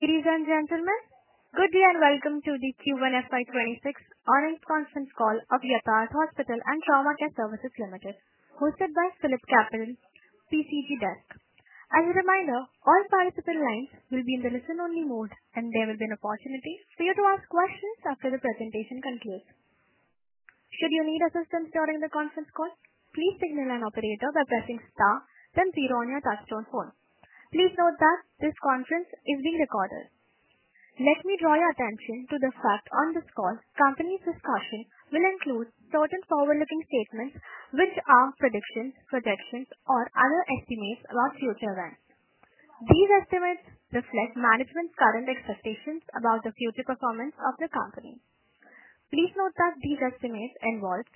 Ladies and gentlemen, good day and welcome to the Q1 FY 2026 online conference call of Yatharth Hospital & Trauma Care Services Limited, hosted by PhilipCapital PCG Desk. As a reminder, all participant lines will be in the listen-only mode, and there will be an opportunity for you to ask questions after the presentation concludes. Should you need assistance during the conference call, please signal an operator by pssing Star then zero on your touch-tone phone. Please note that this conference is being recorded. Let me draw your attention to the fact on this call. Company's discussion will include certain forward-looking statements, which are predictions, projections, or other estimates about future events. These estimates reflect management's current expectations about the future performance of the company. Please note that these estimates involve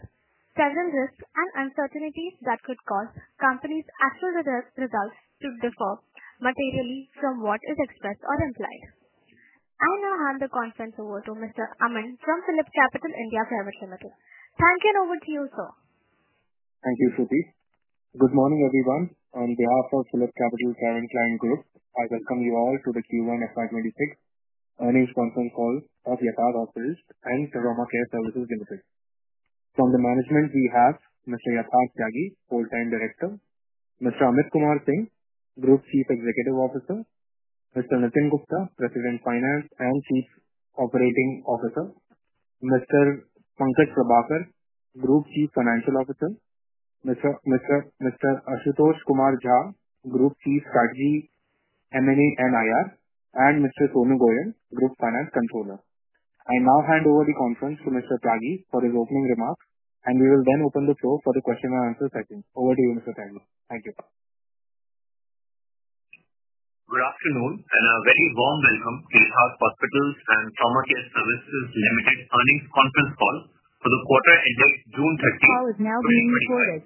several risks and uncertainties that could cause the company's actual results to differ materially from what is expressed or implied. I will now hand the conference over to Mr. Aman Vishwakarma from PhilipCapital India Private Limited Hand it over to you, sir. Thank you, Sudhi. Good morning, everyone, and on behalf of PhilipCapital Private Client Group, I welcome you all to the Q1 FY 2026 online conference call of Yatharth Hospital & Trauma Care Services Limited. From the management, we have Mr. Yatharth Tyagi, Full-time Director; Mr. Amit Kumar Singh, Group Chief Executive Officer; Mr. Nitin Gupta, President Finance and Chief Operating Officer; Mr. Pankaj Prabhakar, Group Chief Financial Officer; Mr. Ashutosh Kumar Jha, Group Chief Strategy M&A & IR; and Mr. Sonu Goyal, Group Finance Controller. I now hand over the conference to Mr. Tyagi for his opening remarks, and we will then open the floor for the question and answer session. Over to you, Mr. Tyagi. Thank you. Good afternoon and a very warm welcome to Yatharth Hospital & Trauma Care Services Limited's earnings conference call for the quarter ending June 2026. The call is now being recorded.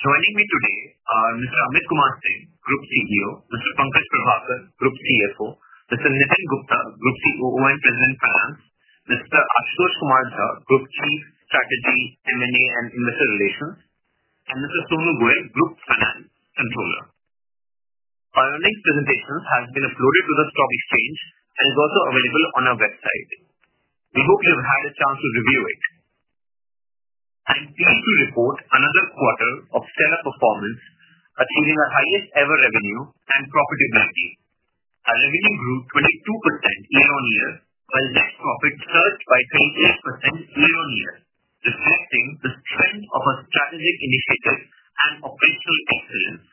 Joining me today are Mr. Amit Kumar Singh, Group CEO, Mr. Pankaj Prabhakar, Group CFO, Mr. Nitin Gupta, President Finance & COO, Mr. Ashutosh Kumar Jha, Group Chief Strategy, M&A & IR, and Mr. Sonu Goyal, Group Finance Controller. Our earnings presentation has been uploaded to the Stock Exchange and is also available on our website. We hope you have had a chance to review it. I am pleased to report another quarter of stellar performance, attaining the highest ever revenue and profitability. Revenue grew 22% year-on-year while net profit surged by 23% year-on-year, reflecting the strength of our strategic initiatives and operational excellence.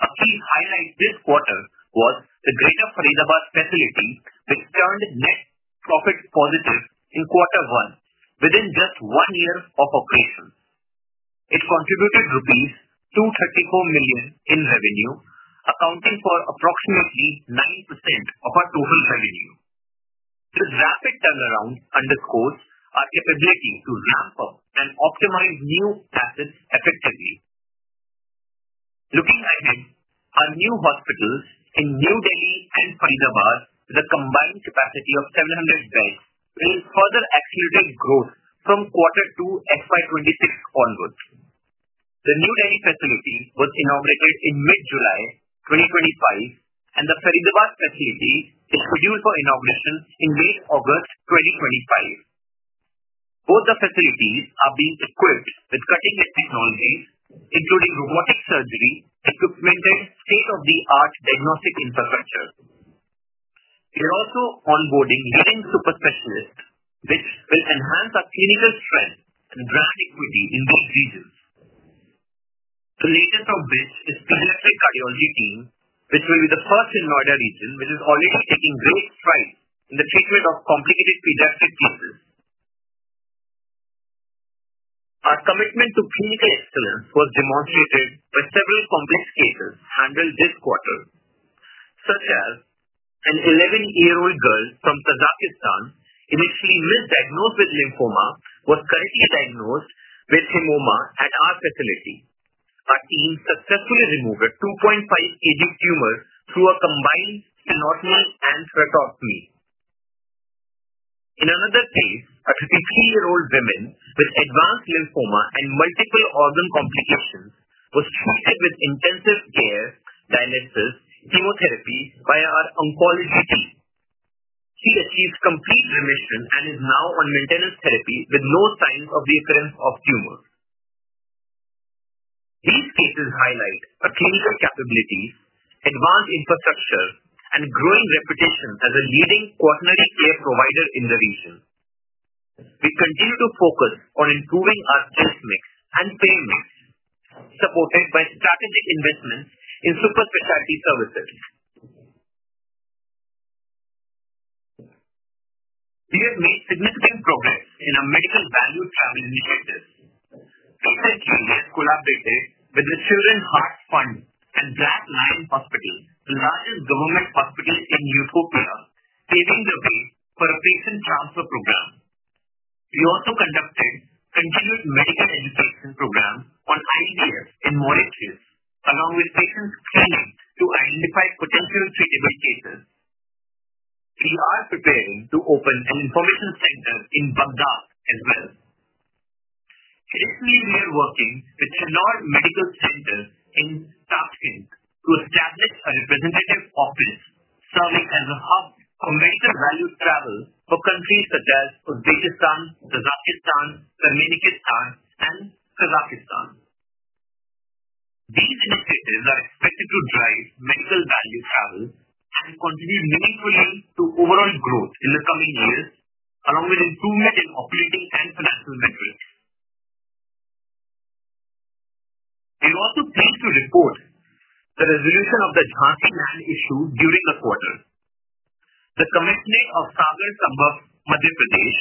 A key highlight this quarter was the Greater Faridabad facility, which turned net profit positive in quarter one within just one year of operation. It contributed rupees 234 million in revenue, accounting for approximately 9% of our total revenue. This rapid turnaround underscores our ability to ramp up and optimize new assets effectively. Looking ahead, our new hospitals in New Delhi and Faridabad, with a combined capacity of 700 beds, will further exceed growth from quarter two FY 2026 onwards. The New Delhi facility was inaugurated in mid-July 2025, and the Faridabad facility is scheduled for inauguration in mid-August 2025. Both the facilities are being equipped with cutting-edge technologies, including robotic surgery and a state-of-the-art diagnostic infrastructure. We are also onboarding leading super specialists, which will enhance our clinical strength and drive equity in both regions. The latest of which is the cardiology team, which will be the first in the region, which is already taking great strides in the treatment of complicated pediatric muscles. Our commitment to clinical excellence was demonstrated by several complex cases handled this quarter, such as an 11-year-old girl from Kazakhstan, initially misdiagnosed with lymphoma, who was currently diagnosed with pneumonia at our facility. Our team successfully removed a 2.5 kg tumor through a combined sternotomy and thoracotomy. In another case, a 53-year-old woman with advanced lymphoma and multiple organ complications was treated with intensive care, dialysis, and chemotherapy by our oncology team. She achieved complete remission and is now on maintenance therapy with no signs of the appearance of tumors. These cases highlight our clinical capabilities, advanced infrastructure, and a growing reputation as a leading quaternary care provider in the region. We continue to focus on improving our test mix and payments, supported by strategic investments in super specialty services. We have made significant progress in our mix of medical value travel initiatives. For instance, we have collaborated with the Children's Heart Fund and Black Lion Hospital to run a government hospital in Ethiopia, paving the way for a patient transfer program. We also conducted continued measurement and selection programs on IBS and molecules, along with patient studies to identify potential treatable cases. We are preparing to open an information center in Baghdad as well. Currently, we are working with theChinor Medical Center in Tashkent to establish a representative office, serving as a hub for medical value travel for countries such as Uzbekistan, Kazakhstan, Tajikistan, and Iraq. These initiatives are expected to drive medical value travel and contribute meaningfully to overall growth in the coming years, along with improvements in operating and financial metrics. I would also like to report the resolution of the transfer plan issue during the quarter. The committee of Sagar Sambhag, Madhya Pradesh,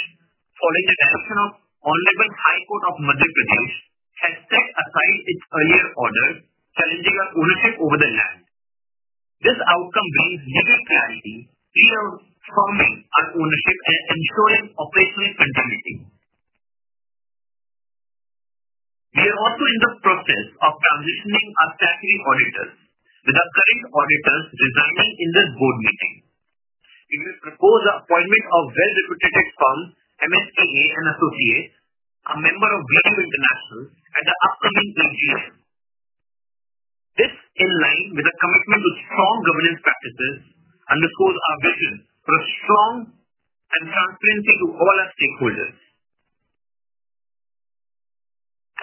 following the direction of the Hon'ble High Court of Madhya Pradesh, has set aside its earlier orders, challenging our ownership over the land. This outcome brings greater clarity to our ownership and ensures operational continuity. We are also in the process of transitioning our statutory auditors, with our current auditors resigning in this board meeting. We will propose the appointment of a well-reputed firm, MSKA & Associates, a member of VM International, at the upcoming AGM. This is in line with the commitment to strong governance practices and underscores our vision for strong transparency to all our stakeholders.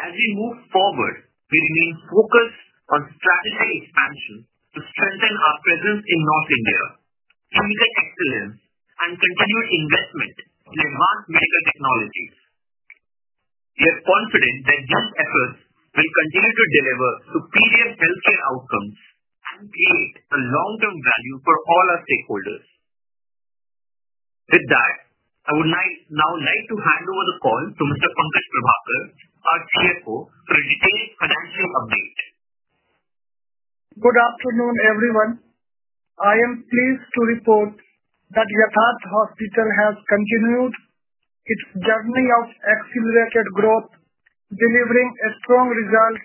As we move forward, we will focus on strategic expansion to strengthen our presence in North India, clinical excellence, and continue investment in advanced medical technologies. We are confident that these efforts will continue to deliver serious healthcare outcomes and create long-term value for all our stakeholders. With that, I would now like to hand over the call to Mr. Pankaj Prabhakar, our CFO, for a detailed financial update. Good afternoon, everyone. I am pleased to report that Yatharth Hospital has continued its journey of accelerated growth, delivering a strong result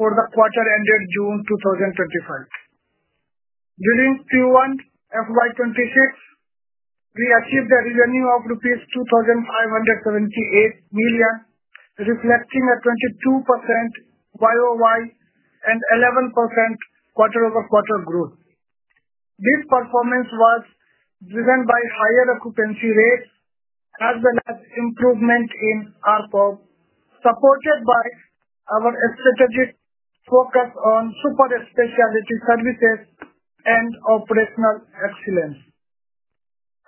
for the quarter ending June 2025. During Q1 FY 2026, we achieved a revenue of rupees 2,578 million, reflecting a 22% YoY and 11% quarter-over-quarter growth. This performance was driven by higher occupancy rates and the net improvement in RPO, supported by our strategic focus on super specialty services and operational excellence.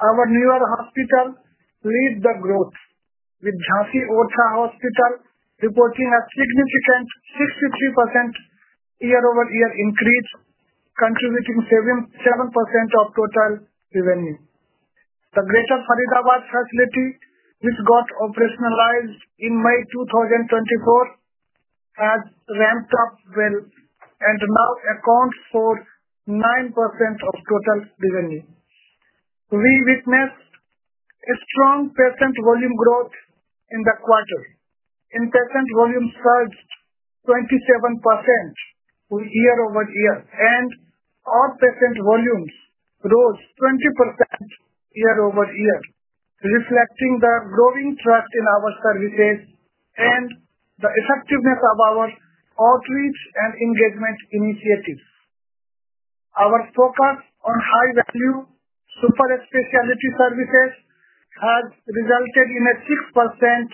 Our newer hospitals lead the growth, with hansi-Orchha Hospital reporting a significant 63% year-over-year increase, contributing 7% of total revenue. The Greater Faridabad facility, which got operationalized in May 2024, has ramped up well and now accounts for 9% of total revenue. We witnessed a strong patient volume growth in the quarter, with patient volume surging 27% year-over-year, and all patient volumes rose 20% year-over-year, reflecting the growing trust in our services and the effectiveness of our outreach and engagement initiatives. Our focus on high-value super specialty services has resulted in a 6%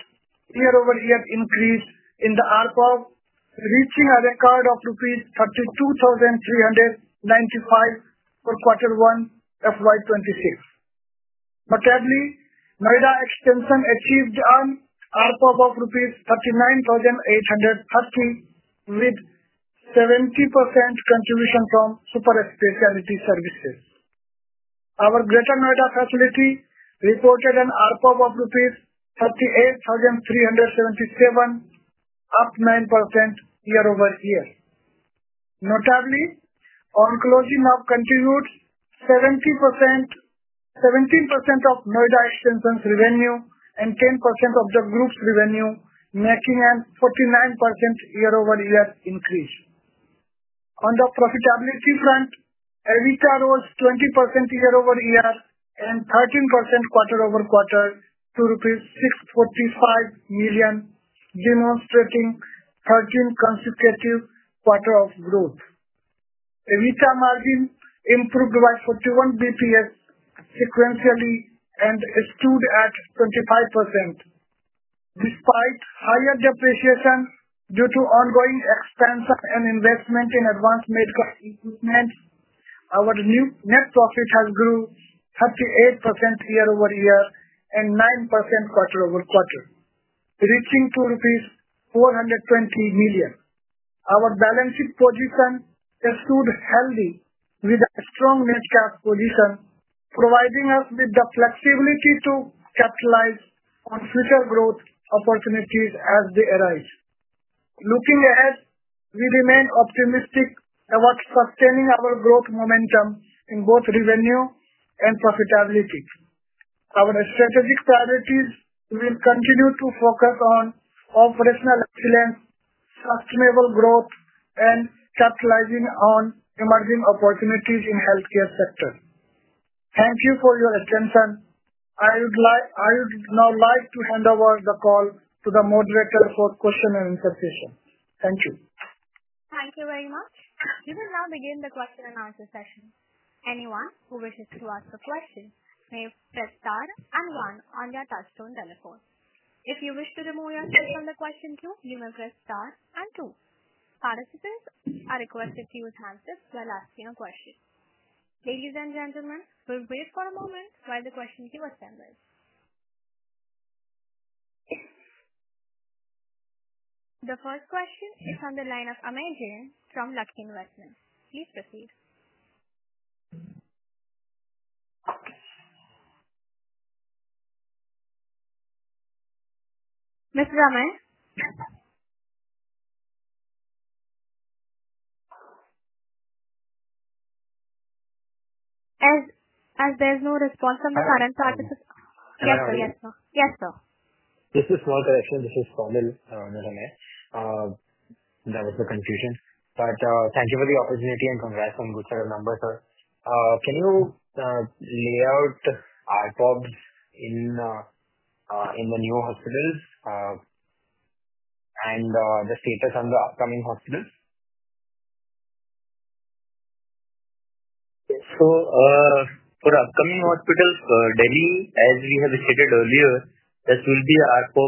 year-over-year increase in the RPO, reaching a record of rupees 32,395 for quarter one FY 2026. Secondly, Noida Extension achieved an RPO of INR 39,850, with a 70% contribution from super specialty services. Our Greater Noida facility reported an RPO of rupees 38,377, up 9% year-over-year. Notably, oncology now contributes 17% of Noida Extension's revenue and 10% of the group's revenue, making a 49% year-over-year increase. On the profitability front, EBITDA rose 20% year-over-year and 13% quarter over quarter to rupees 645 million, demonstrating a 13th consecutive quarter of growth. EBITDA margin improved by 41 basis points sequentially and exceeded 25%. Despite higher depreciation due to ongoing expansion and investment in advanced medical equipment, our net profit has grown 38% year-over-year and 9% quarter-over-quarter, reaching rupees 420 million. Our balance sheet position has stood healthy with a strong net cash position, providing us with the flexibility to capitalize on future growth opportunities as they arise. Looking ahead, we remain optimistic about sustaining our growth momentum in both revenue and profitability. Our strategic priorities will continue to focus on operational excellence, sustainable growth, and capitalizing on emerging opportunities in the healthcare sector. Thank you for your attention. I would now like to hand over the call to the moderator for question and answer session. Thank you. Thank you very much. We will now begin the question-and-answer session. Anyone who wishes to ask a question may press star and one on your touch-tone telephone. If you wish to remove yourself from the question queue, you may press star and two. Participants are requested to use handsets while asking a question. Ladies and gentlemen, we'll wait for a moment while the question queue assembles. The first question is on the line of Amed Jain from LASK Investments Please proceed. Mr. Aman, as there's no response from the current participants, yes, sir. Yes, sir. This is a small correction. This is Saumil. There was some confusion. Thank you for the opportunity and congrats on good set of numbers, sir. Can you lay out the RPO in the new hospitals and the status on the upcoming hospitals? For the upcoming hospitals for New Delhi, as we have stated earlier, this will be the RPO,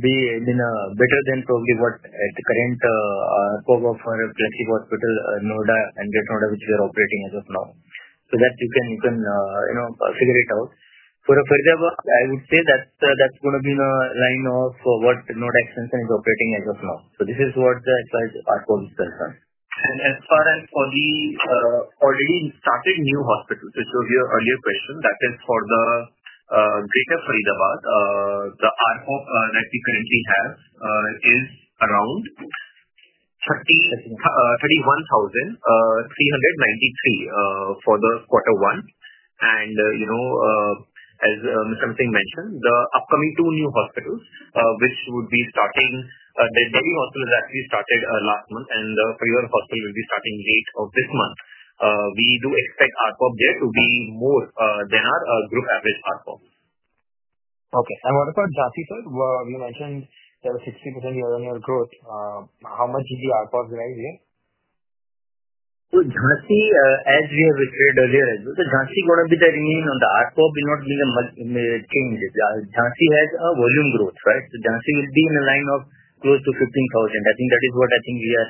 be in a better than probably what the current RPO of our replacement hospital, Noida and Greater Noida, which we are operating as of now. You can, you know, figure it out. For Faridabad, I would say that that's going to be in a line of what Noida Extension is operating as of now. This is what the current RPO is, sir. As far as for the already started new hospital, to your earlier question, that is for the Greater Faridabad, the RPO that we currently have is around 31,393 for the quarter one. As Mr. Singh mentioned, the upcoming two new hospitals, which would be starting, the New Delhi Hospital has actually started last month, and the Faridabad Hospital will be starting late of this month. We do expect RPO there to be more than our group average RPO. Okay. What about Jhansi, sir? You mentioned there was a 60% year-over-year growth. How much would your RPO rise here? Jhansi, as we have stated earlier, Jhansi is going to remain on the RPO, will not be the change. Jhansi has a volume growth, right? Jhansi will be in the line of close to 15,000. I think that is what I think we are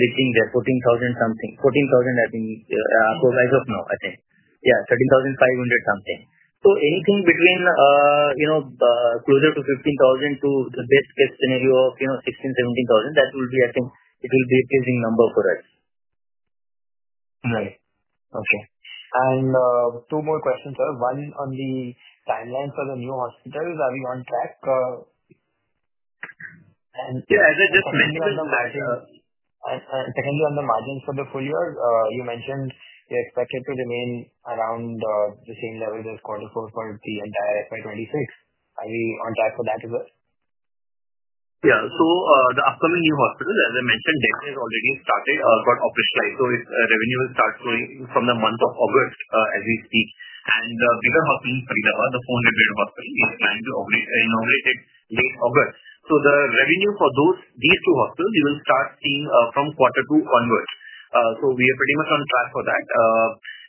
reaching, the 14,000 something. 14,000, I think, RPO as of now, I think. Yeah, 13,500 something. Anything between, you know, closer to 15,000 to the best case scenario of, you know, 16,000, 17,000, that will be, I think, it will be a pleasing number for us. Right. Okay. Two more questions, sir. One on the timeline for the new hospitals. Are we on track? Secondly, on the margins for the full year, you mentioned you're expected to remain around the same level as quarter four for the entire FY 2026. Are we on track for that as well? Yeah. The upcoming new hospital, as I mentioned, New Delhi has already started for operationalization. Its revenue will start from the month of August as we speak. Given how the clinic is in Faridabad, the phone is a great hospital. It normally takes late August. The revenue for these two hospitals, you will start seeing from quarter two onwards. We are pretty much on track for that.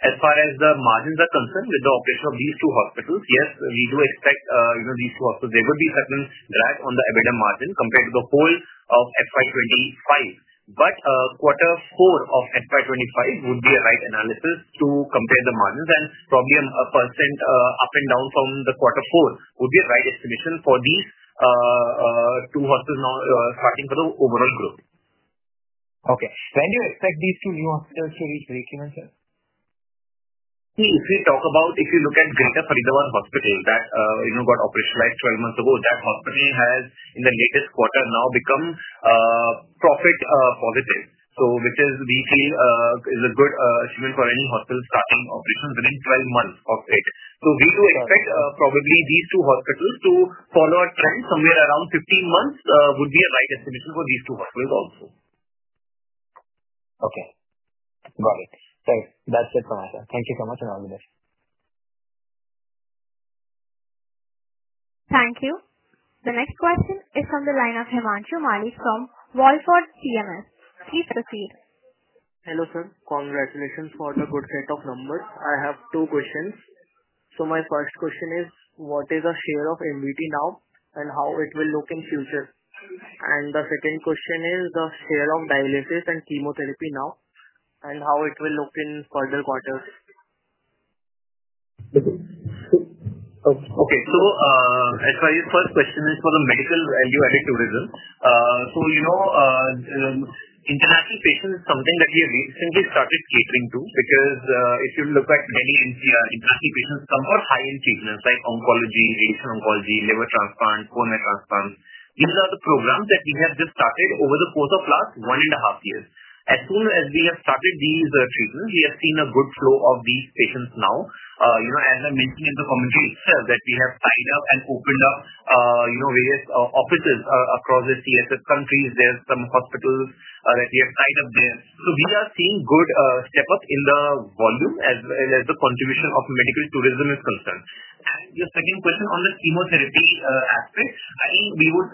As far as the margins are concerned with the operation of these two hospitals, yes, we do expect these two hospitals, they would be setting right on the EBITDA margin compared to the whole of FY2025. Quarter four of FY2025 would be a right analysis to compare the margins, and probably a % up and down from the quarter four would be a right estimation for these two hospitals now starting for the overall growth. Okay. When do you expect these two new hospitals to reach breakeven? See, if you talk about, if you look at Greater Faridabad Hospital that, you know, got operationalized 12 months ago, that hospital has in the latest quarter now become a profit positive. We believe this is a good achievement for any hospital starting operations within 12 months of it. We do expect probably these two hospitals to follow a trend somewhere around 15 months would be a right estimation for these two hospitals also. Okay. Got it. Thanks. That's it for now, sir. Thank you so much and all the best. Thank you. The next question is on the line of Himanshu Mali from Wallford CMS. Please proceed. Hello, sir. Congratulations for the good set of numbers. I have two questions. My first question is, what is the share of MBT now and how it will look in the future? The second question is, the share of dialysis and chemotherapy now and how it will look in further quarters. Okay. The first question is for the medical value added tourism. International patients is something that we have recently started tapering to because if you look at Delhi NCR, international patients come for high-end treatments like oncology, radiation oncology, liver transplants, bone marrow transplants. These are the programs that we have just started over the course of the last one and a half years. As soon as we have started these treatments, we have seen a good flow of these patients now. As I mentioned in the commentary itself, we have tied up and opened up various offices across the CIS countries. There are some hospitals that we have tied up there. We are seeing a good step up in the volume as well as the contribution of medical tourism is concerned. The second question on the chemotherapy aspect, I think we would,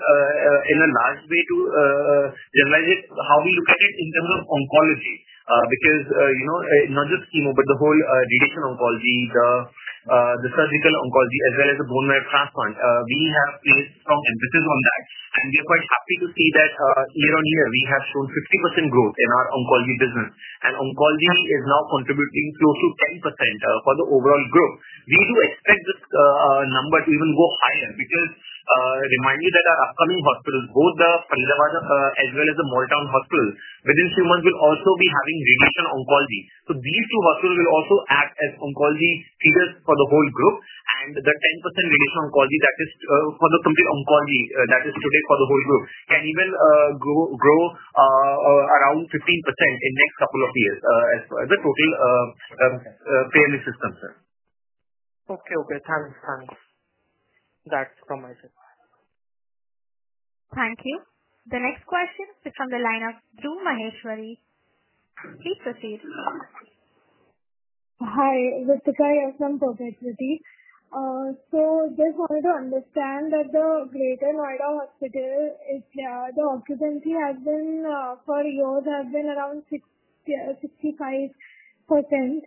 in a large way, revisit how we look at it in terms of oncology because not just chemo, but the whole radiation oncology, the surgical oncology, as well as the bone marrow transplant. We have seen a strong emphasis on that. We are quite happy to see that year on year, we have shown 50% growth in our oncology business. Oncology is now contributing close to 10% for the overall growth. We do expect this number to even go higher because, remind you, our upcoming hospitals, both the Faridabad as well as the Mall Town Hospital, within three months will also be having radiation oncology. These two hospitals will also act as oncology treatments for the whole group. The 10% radiation oncology that is for the complete oncology that is to take for the whole group can even grow around 15% in the next couple of years as far as the total payer assistance. Okay. Okay. Thanks. Thanks. That's from my side. Thank you. The next question is from the line of Dhruv Maheshwari. Please proceed. I just wanted to understand that the Greater Noida Hospital, the occupancy for years has been around 65%.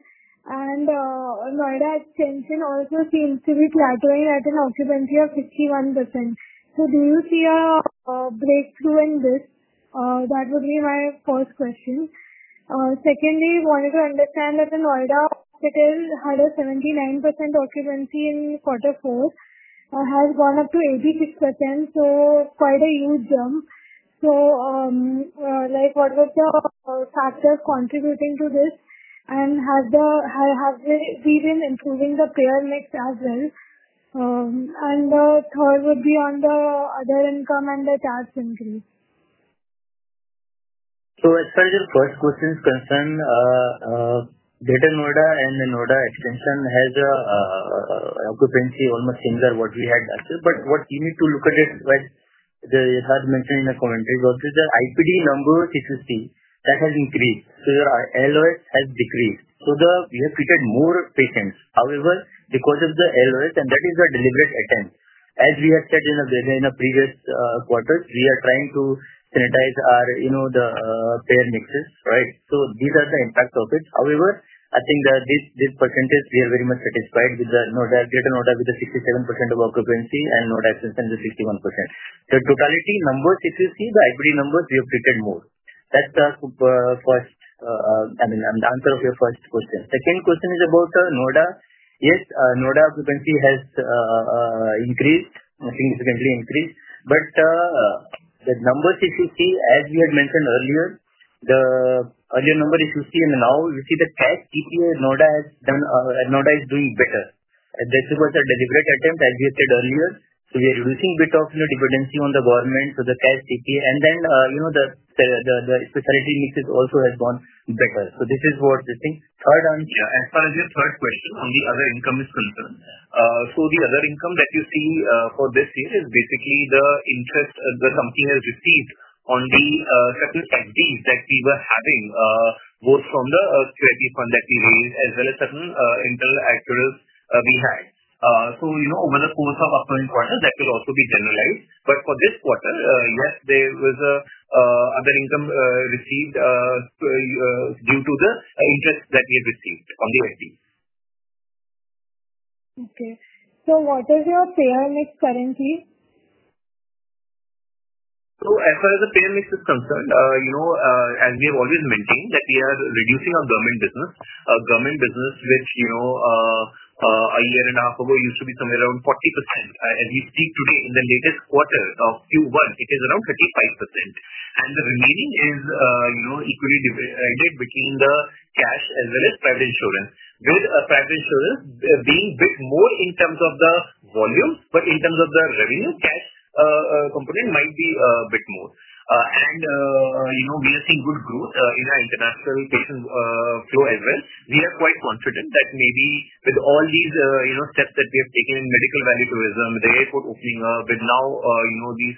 Noida Extension also seems to be flatlining at an occupancy of 51%. Do you see a breakthrough in this? That would be my first question. Secondly, I wanted to understand that the Noida Hospital had a 79% occupancy in quarter four. It has gone up to 86%. Quite a huge jump. What was the factor contributing to this? Have they been improving the payer mix as well? The third would be on the other income and the tax increase. As far as your first question is concerned, Greater Noida and the Noida Extension has an occupancy almost similar to what we had last year. What you need to look at is, as I had mentioned in the commentary blog, the IPD number of CCC that has increased. The LOH has decreased. We have treated more patients. However, because of the LOH, and that is the deliberate attempt, as we have said in the previous quarters, we are trying to sanitize our payer mixes, right? These are the impacts of it. I think that this percentage, we are very much satisfied with the Noida, Greater Noida with the 67% of occupancy and Noida Extension with 61%. In totality numbers, if you see the IPD numbers, we have treated more. That's the answer of your first question. The second question is about the Noida. Yes, Noida occupancy has increased, significantly increased. The number CCC, as we had mentioned earlier, the earlier number is 50, and now we see the cash DPA Noida has done, Noida is doing better. This was a deliberate attempt, as we said earlier. We are reducing a bit of dependency on the government for the cash DPA. The specialty mixes also have gone better. This is what we think. As far as your first question on the other income is concerned, the other income that you see for this year is basically the interest that the company has received on the certain strategies that we were having, both from the strategy fund that we had as well as certain internal actors we had. Over the course of upcoming quarters, that could also be generalized. For this quarter, yes, there was other income received due to the interest that we received on the IP. Okay. What is your payer mix currently? As far as the payer mix is concerned, as we have always mentioned, we are reducing our government business, a government business which, a year and a half ago, used to be somewhere around 40%. As we speak today, in the latest quarter of Q1, it is around 35%. The remaining is equally divided between the cash as well as private insurance, with private insurance being a bit more in terms of the volume, but in terms of the revenue, cash component might be a bit more. We are seeing good growth in our international patient flow as well. We are quite confident that maybe with all these steps that we have taken in medical value travel, rates for opening up, and now these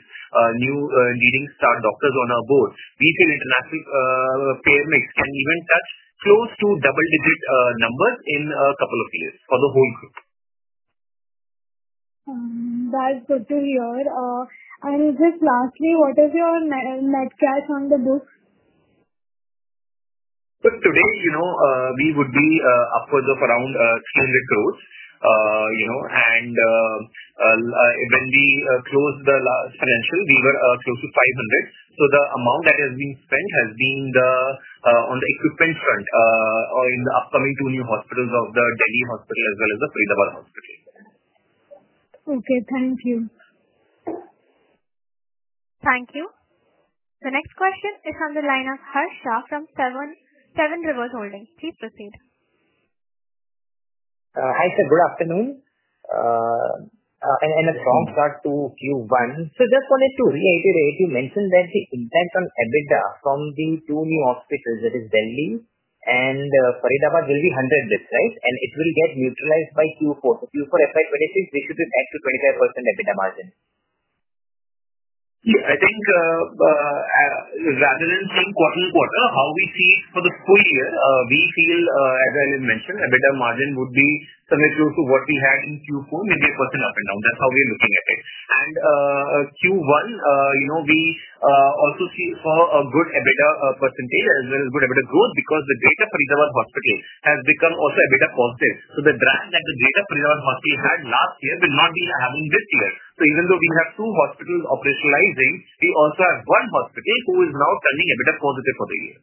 new leading star doctors on our board, we feel international payer mix can even touch close to double-digit numbers in a couple of years for the whole group. That's good to hear. Lastly, what is your net cash on the book? Today, you know, we would be upwards of around INR 200 crore, you know, and when we closed the last financial, we were close to INR 500 crore. The amount that has been spent has been on the equipment front in the upcoming two new hospitals of the New Delhi Hospital as well as the Faridabad Hospital. Okay, thank you. Thank you. The next question is on the line of Harsh Shah from Seven Rivers Holdings. Please proceed. Hi, sir. Good afternoon. A strong start to Q1. I just wanted to reiterate. You mentioned that the intent on EBITDA from the two new hospitals, that is New Delhi and Faridabad, will be 100%, and it will get neutralized by Q4. Q4 FY 2026, we should be back to 25% EBITDA margin. Yeah. I think rather than saying quarter on quarter, how we see it for the full year, we feel, as I mentioned, EBITDA margin would be somewhere close to what we had in Q4, maybe a question up and down. That's how we are looking at it. Q1, you know, we also see for a good EBITDA percentage as well as good EBITDA growth because the Greater Faridabad Hospital has become also EBITDA positive. The drag that the Greater Faridabad Hospital had last year, we might be having this year. Even though we have two hospitals operationalizing, we also have one hospital who is now turning EBITDA positive for the year.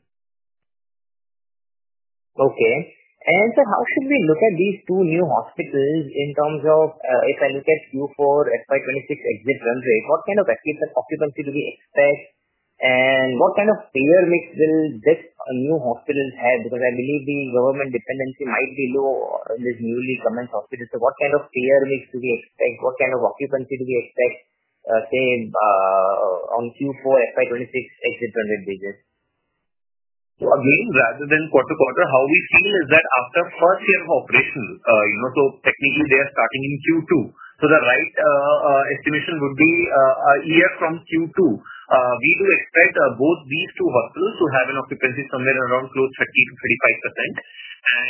Okay. Sir, how should we look at these two new hospitals in terms of if I look at Q4 FY 2026 exit run rate, what kind of occupancy do we expect? What kind of payer mix will this new hospital have? I believe the government dependency might be low in this newly commenced hospital. What kind of payer mix do we expect? What kind of occupancy do we expect, say, on Q4 FY 2026 exit run rate basis? Again, rather than quarter to quarter, how we feel is that after first year of operation, you know, technically they are starting in Q2. The right estimation would be a year from Q2. We do expect both these two hospitals to have an occupancy somewhere around close to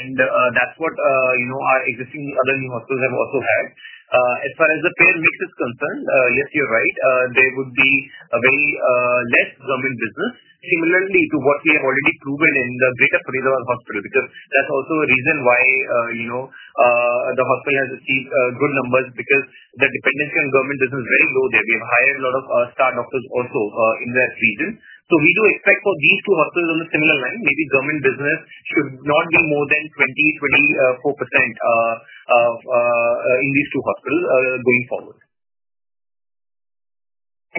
30%-35%. That's what, you know, our existing other new hospitals have also had. As far as the payer mix is concerned, yes, you're right. There would be a very less government business, similar to what we have already proven in the Greater Faridabad Hospital because that's also a reason why, you know, the hospital has achieved good numbers because the dependency on government business is very low there. We have hired a lot of star doctors also in that region. We do expect for these two hospitals on a similar line, maybe government business should not be more than 20%-24% in these two hospitals going forward.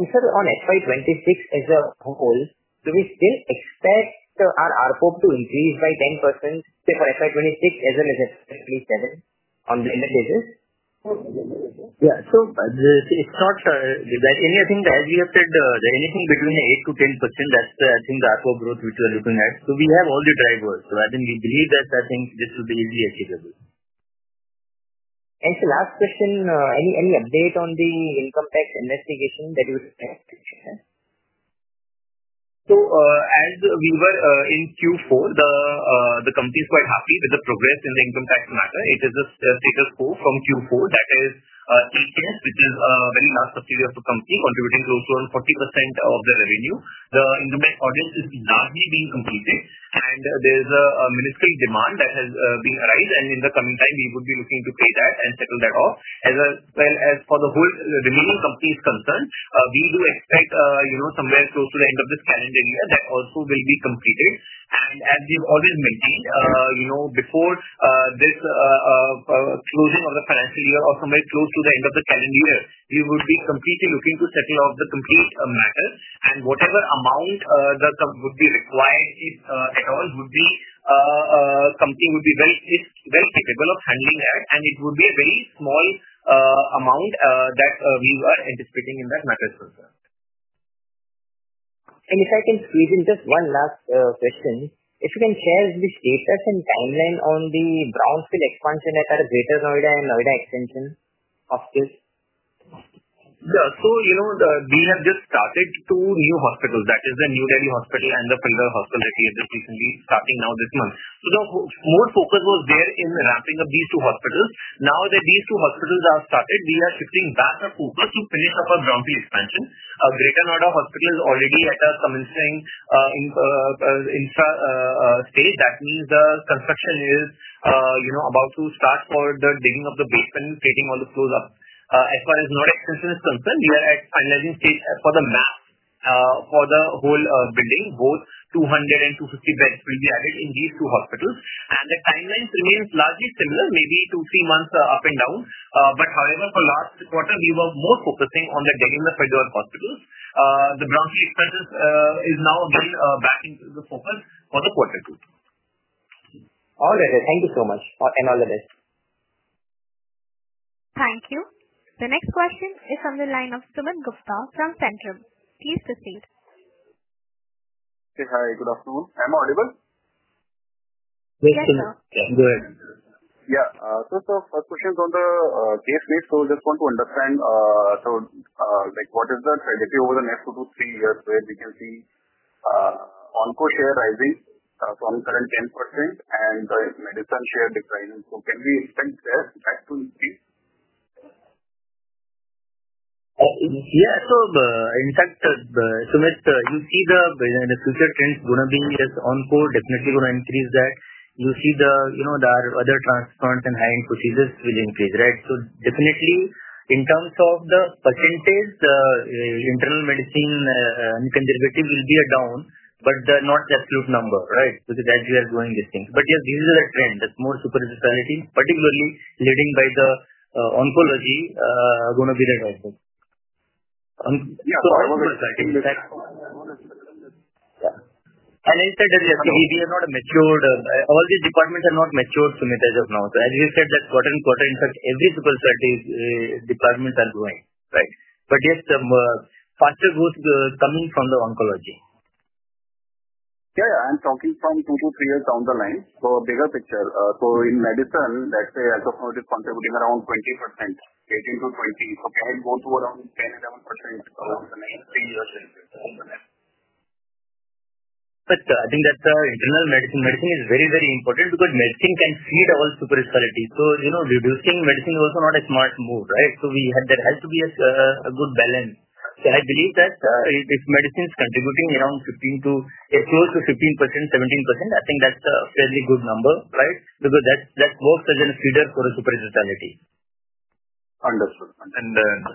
On FY 2026 as a whole, do we still expect our RPO to increase by 10% for FY 2026 as well as FY 2027 on the business? Yeah. It's not sure. I think earlier you said there's anything between 8%-10% that I think the RPO growth, which we're looking at. We have all the drivers. We believe that I think this will be easily achievable. Last question, any update on the income tax investigation that you would like to share? As we were in Q4, the company is quite happy with the progress in the income tax matter. It is a status quo from Q4 that is still there, which is a very nice subsidiary of the company contributing close to around 40% of the revenue. The implement audit is largely being completed, and there's a ministry demand that has been arising. In the coming time, we would be looking to pay that and settle that off. As for the whole remaining company is concerned, we will expect somewhere close to the end of this calendar year that also will be completed. As we've already mentioned, before this closing of the financial year or somewhere close to the end of the calendar year, we would be completely looking to settle off the complete matter. Whatever amount that would be required at all would be something we would be well capable of handling. It would be a very small amount that we were anticipating in that matter so far. If I can squeeze in just one last question, if you can share the statements and timeline on the brownfield expansion at Greater Noida and Noida Extension hospitals. Yeah. You know, we have just started two new hospitals. That is the New Delhi Hospital and the Faridabad Hospital that we have just recently started now this month. The whole focus was there in ramping up these two hospitals. Now that these two hospitals are started, we are shifting back our focus to finish off our brownfield expansion. Our Greater Noida Hospital is already at a commencing stage. That means the construction is about to start for the digging of the basement, taking all the floors up. As far as Noida Extension is concerned, we are at analyzing stage for the mass for the whole building. Both 200 and 250 beds will be added in these two hospitals. The timeline remains largely similar, maybe two, three months up and down. However, for the last quarter, we were more focusing on the Delhi and the Faridabad hospitals. The brownfield expansion is now well back into the focus for the quarter two. All right, sir. Thank you so much and all the best. Thank you. The next question is on the line of Sumit Gupta from Centrum. Please proceed. Hi. Good afternoon. I'm available? Yes, sir. Yeah, a question from the GSP. I just want to understand, what is the trajectory over the next two to three years where we can see on-call share rising from current 10% and the medicine share declining? Can we? Yeah. In fact, Sumit, you see the crucial trend is going to be on-call, definitely going to increase that. You see the, you know, the other transplants and high-end procedures will increase, right? Definitely, in terms of the percentage, the internal medicine and conservative will be down, but not the absolute number, right? As we are going distinct. Yes, this is a trend that's more super specialty, particularly led by the oncology, are going to be resolved. Yeah. We have not matured. All these departments are not matured, Sumit, as of now. As we said, that quarter in quarter, in fact, every super specialty department is going, right? Yes, the faster growth coming from the oncology. Yeah, yeah. I'm talking 2022 to three years down the line for a bigger picture. In medicine, that's the oncology contributing around 20%, 18%-20%. Try and go to around 20%. I think that's our internal medicine. Medicine is very, very important because medicine can feed all super specialty. Reducing medicine is also not a smart move, right? There has to be a good balance. I believe that if medicine is contributing around 15% to close to 15%, 17%, I think that's a fairly good number, right? That's the most I can see there for a super specialty. Understood. On the line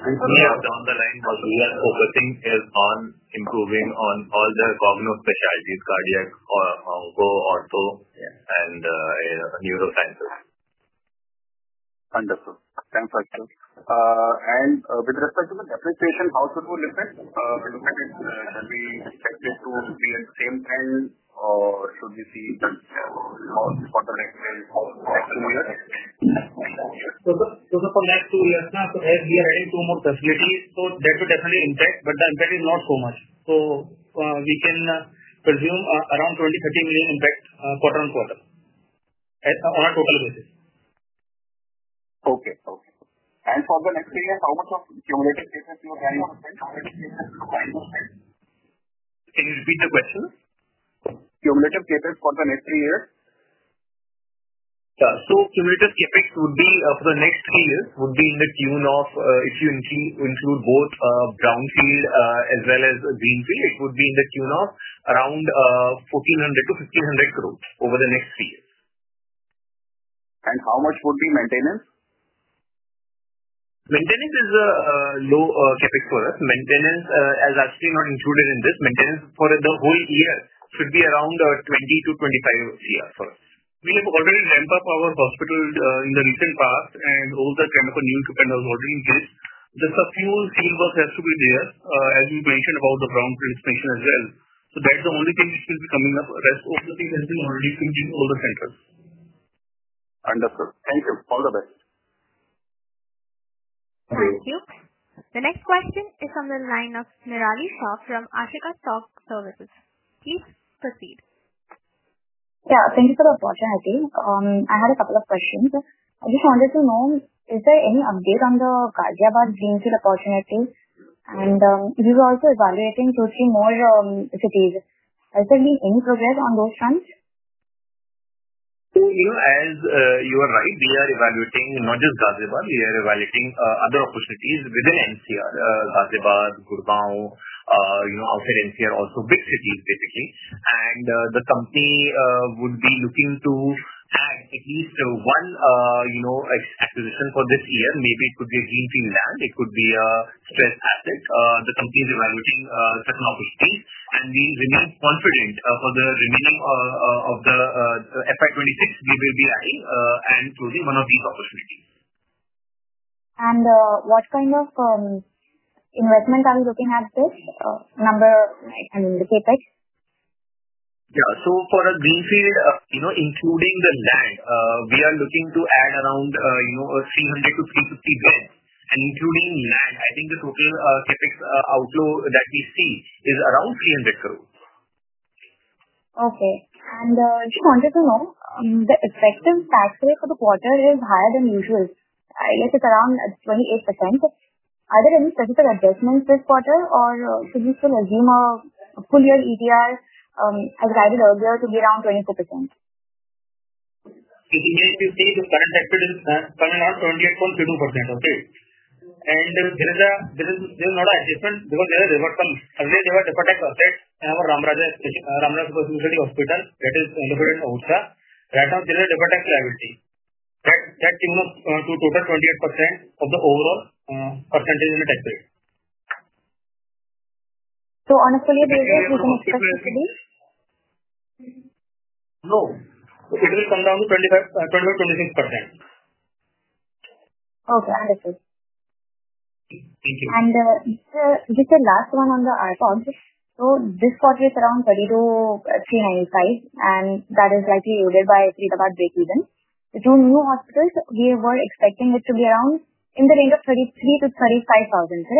of here, overseeing is on improving on all the common specialties, cardiac, onco, ortho. Understood. Thanks, Yatharth. With respect to the deficiency, how soon will it look like? Look like it has been approved in the same time, or should we see? From the last two years now, as we are adding two more facilities, that will definitely impact, but the impact is not so much. We can presume around 20 million, 30 million impact quarter on quarter on a total basis. Can you repeat the question? Cumulative CapEx for the next three years? So cumulative CapEx would be for the next three years, would be in the tune of, if you include both brownfield as well as greenfield, it would be in the tune of around 1,400 crore-1,500 crore over the next three years. How much would be maintenance? Maintenance is a low KPI for us. Maintenance, as I've seen, are included in this. Maintenance for the whole year should be around 20 crores-25 crores. We have already ramped up our hospital in the recent past, and all the kind of new equipment that was already in place. Just a few fieldwork has to be there, as you mentioned about the brownfield expansion as well. That's the only thing that's coming up. The rest of the thing has been already changing all the centers. Understood. Thank you. All the best. Thank you. The next question is on the line of Nirali Shah from Ashika Stock Services. Please proceed. Thank you for the opportunity. I had a couple of questions. I just wanted to know, is there any update on the Ghaziabad greenfield opportunity? If you're also evaluating those two more cities, has there been any progress on those fronts? You are right, we are evaluating not just Ghaziabad. We are evaluating other opportunities within NCR, Ghaziabad, Gurgaon, outside NCR, also big cities, basically. The company would be looking to add at least one acquisition for this year. Maybe it could be a greenfield land. It could be a stressed asset. The company is evaluating certain opportunities. We remain confident for the remaining of the FY 2026, we will be adding and choosing one of these opportunities. What kind of investment are we looking at this number and the KPIs? For a greenfield, you know, including the land, we are looking to add around 1,300 crores-1,350 crore. Including land, I think the total CapEx outflow that we see is around 300 crore. Okay. I just wanted to know, the effective tax rate for the quarter is higher than usual. I guess it's around 28%. Are there any technical adjustments this quarter, or can you still assume a full-year ETR, as I read it earlier, to be around 24%? We can say the current expectations are coming8%-24%. Okay? There is not an adjustment because there were some submitted JaffaTax assets in our Ram Rajasthan Hospital. That is in JaffaTax liability. That came up to a total of 28% of the overall percentage limit. On a full-year basis, we're going to submit the fees? No. It will come down to 25% to 26%. Okay. Understood. Thank you. Just the last one on the RPO. This quarter is around 32,000, and that is likely, you live by, I think, about JP then. The two new hospitals, we were expecting it to be around in the range of INR 33,000 to INR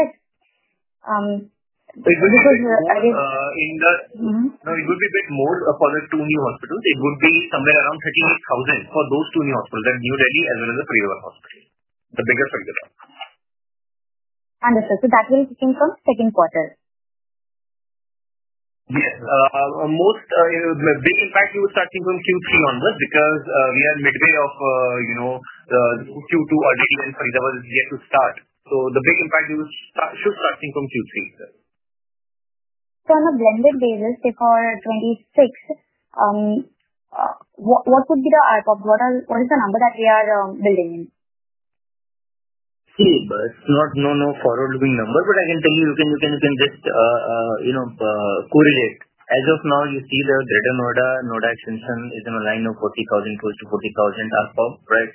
35,000, correct? It would be a bit more for the two new hospitals. It would be somewhere around 31,000 for those two new hospitals that are new ready as well as the Faridabad Hospital, the bigger Faridabad. Understood. That will be coming from the second quarter? Yes. Most, you know, the big impact will be starting from Q2 onwards because we are in midway of, you know, the Q2 auditing and Faridabad is yet to start. The big impact will start, should be starting from Q2 itself. On a blended basis, say for 2026, what would be the RPO? What is the number that we are building in? See, it's not a forward-looking number, but I can tell you, you can just, you know, correlate. As of now, you see the Greater Noida and Noida Extension is in a line of 40,000 equals to 40,000 RPO, right?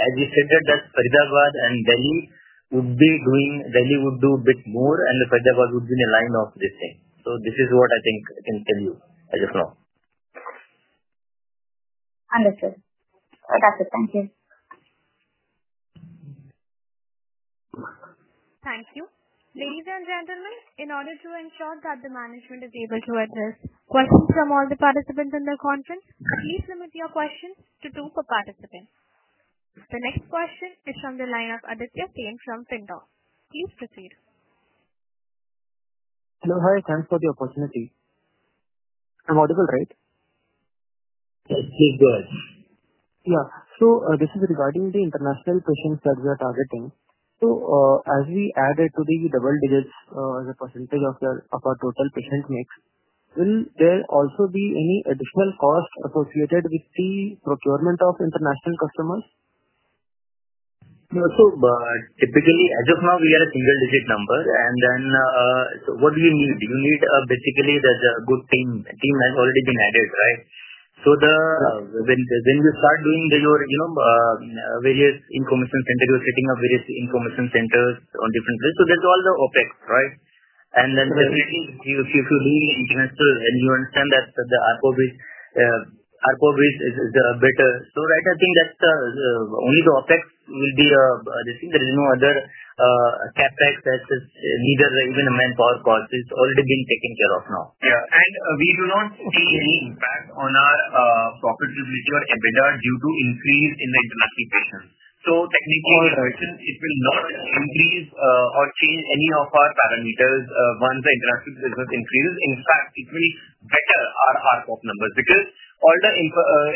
As we said that Faridabad and Delhi would be doing, Delhi would do a bit more, and the Faridabad would be in a line of this height. This is what I think I can tell you as of now. Understood. That's it. Thank you. Thank you. Ladies and gentlemen, in order to ensure that the management is able to address questions from all the participants in the conference, please limit your questions to two per participant. The next question is on the line of Aditya Sen from Findoc. Please proceed. Hello. Hi. Thanks for the opportunity. Available, right? Yes, please do. Yeah. This is regarding the international patients that we are targeting. As we added to the double digits as a % of our total patient mix, will there also be any additional costs associated with the procurement of international customers? No. Typically, as of now, we are a single-digit number. What do you need? You need basically a good team. Team has already been added, right? When you start doing your various information centers, setting up various information centers in different places, there's all the OpEx, right? If you need insurance too, and you understand that the RPO base is better, I think that's the only OpEx that will be the thing. There is no other CapEx that is neither revenue nor manpower cost. It's already being taken care of now. We do not see any impact on our profit to future EBITDA due to increase in the international patients. It will not increase or change any of our parameters once the international business increases. In fact, it will better our RPO numbers because all the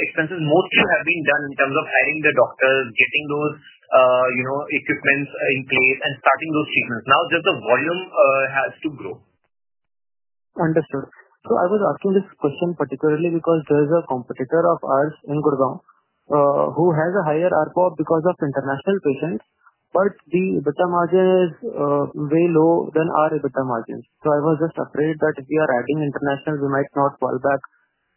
expenses mostly have been done in terms of adding the doctors, getting those, you know, equipments in place, and starting those treatments. Now just the volume has to grow. Understood. I was asking this question particularly because there is a competitor of ours in Gurgaon who has a higher RPO because of international patients, but the EBITDA margin is way lower than our EBITDA margins. I was just afraid that if we are adding international, we might not fall back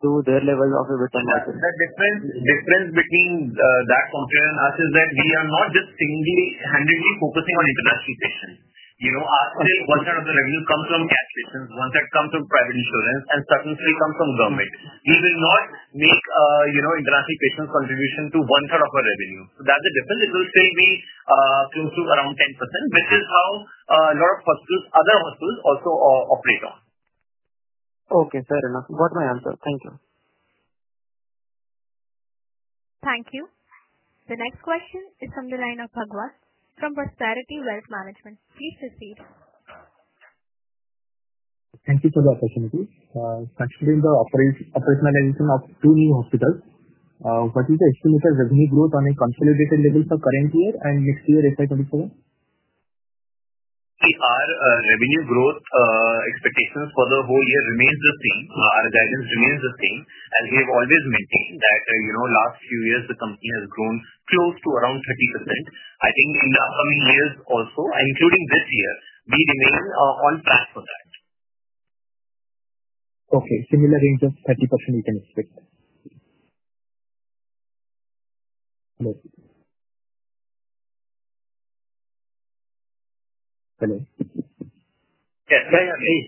to their level of EBITDA margin. The difference between that comparison is that we are not just strictly handling, focusing on international patients. You know, all the revenue comes from CAC patients, ones that come from private insurance, and certainly comes from government. We will not make international patients' contribution to one third of our revenue. That's the difference. It will still be around 10%. This is how a lot of other hospitals also operate. Okay, fair enough. Got my answer. Thank you. Thank you. The next question is on the line of Bhagwat from Prosperity Wealth Management Please proceed. Thank you for the opportunity. Touching on the operationalization of two new hospitals, what is the estimated revenue growth on a consolidated level for the current year and next year, FY 2024? The revenue growth expectations for the whole year remain the same. Our guidance remains the same as we have always maintained that, you know, the last few years the company has grown close to around 30%. I think in the coming years also, including this year, we remain on track for that. Okay. Similar income, 30% we can expect. Hello? Yes. Yeah, yeah, please.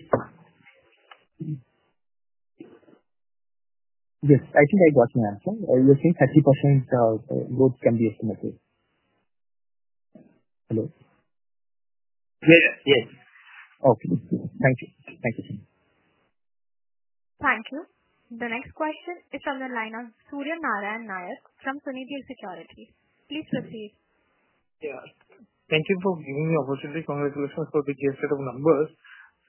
Yes, I think I got my answer. I was saying 30% growth can be estimated. Hello? Yes. Yes. Okay. Thank you Thank you. The next question is on the line of Surya Narayan Nayak from Sunidhi Securities. Please proceed. Thank you for giving me the opportunity. Congratulations for the GSA of numbers.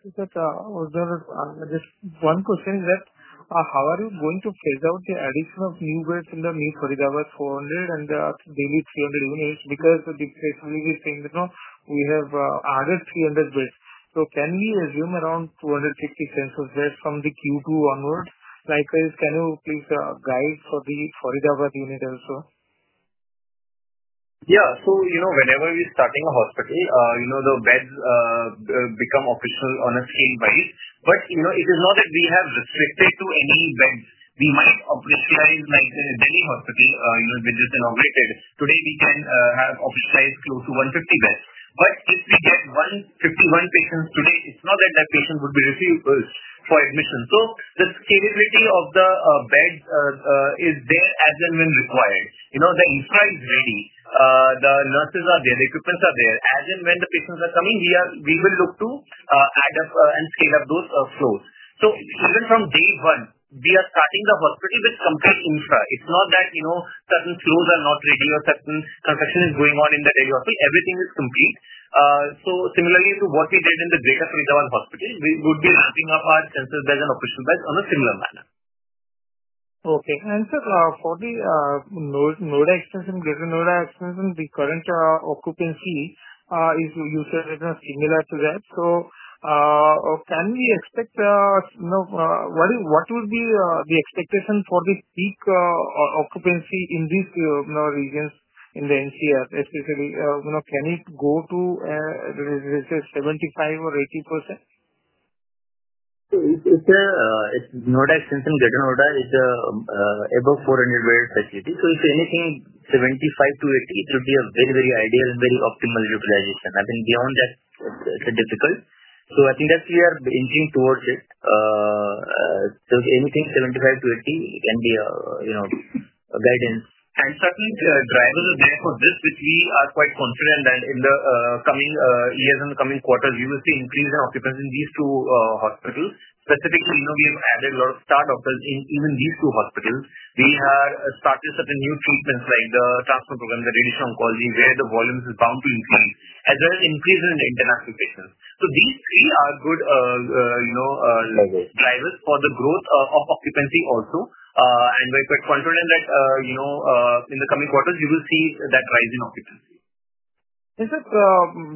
Just one question is that how are you going to phase out the addition of new beds in the new Faridabad 400 and the revenues? Because the economy is saying that we have added 300 beds. Can we assume around 250 beds from the Q2 onwards? Like this, can you please guide for the Faridabad unit also? Yeah. So, you know, whenever we're starting a hospital, the beds become optional on a scheme basis. It is not that we have restricted to any beds. We might operationalize like a New Delhi Hospital, you know, with it innovated. Today, we can have operationalized close to 150 beds. If we get 151 patients today, it's not that that patient would be receivable for admission. The scalability of the beds is there as and when required. The infra is ready. The nurses are there. The equipment is there. As and when the patients are coming, we will look to add up and scale up those floors. Even from day one, we are starting the hospital with compressed infra. It's not that certain floors are not ready or certain construction is going on in that area. Everything is complete. Similarly to what we did in the Greater Faridabad Hospital, we would be ramping up our central beds and operational beds in a similar manner. Okay. Sir, for the Noida Extension, Greater Noida Extension, the current occupancy is considered similar to that. Can we expect, you know, what would be the expectation for the peak occupancy in these regions in the NCR? Can it go to, let's say, 75% or 80%? It's not as simple as Greater Noida. It's above 400 bed facility. If anything, 75%-80%, it would be a very, very ideal and very optimal utilization. I think beyond that, it's a bit difficult. That's what we are hinting towards. Anything 70%-80% can be, you know, a guidance. Certainly, the drivers are there for this, which we are quite confident that in the coming years and the coming quarters, we will see increase in occupancy in these two hospitals. Specifically, we have added a lot of star doctors in even these two hospitals. We have started certain new treatments like the transplant program, the radiation oncology, where the volumes are bound to increase, as well as increase in international patients. These three are good drivers for the growth of occupancy also. We are quite confident that in the coming quarters, you will see that rising occupancy. Is it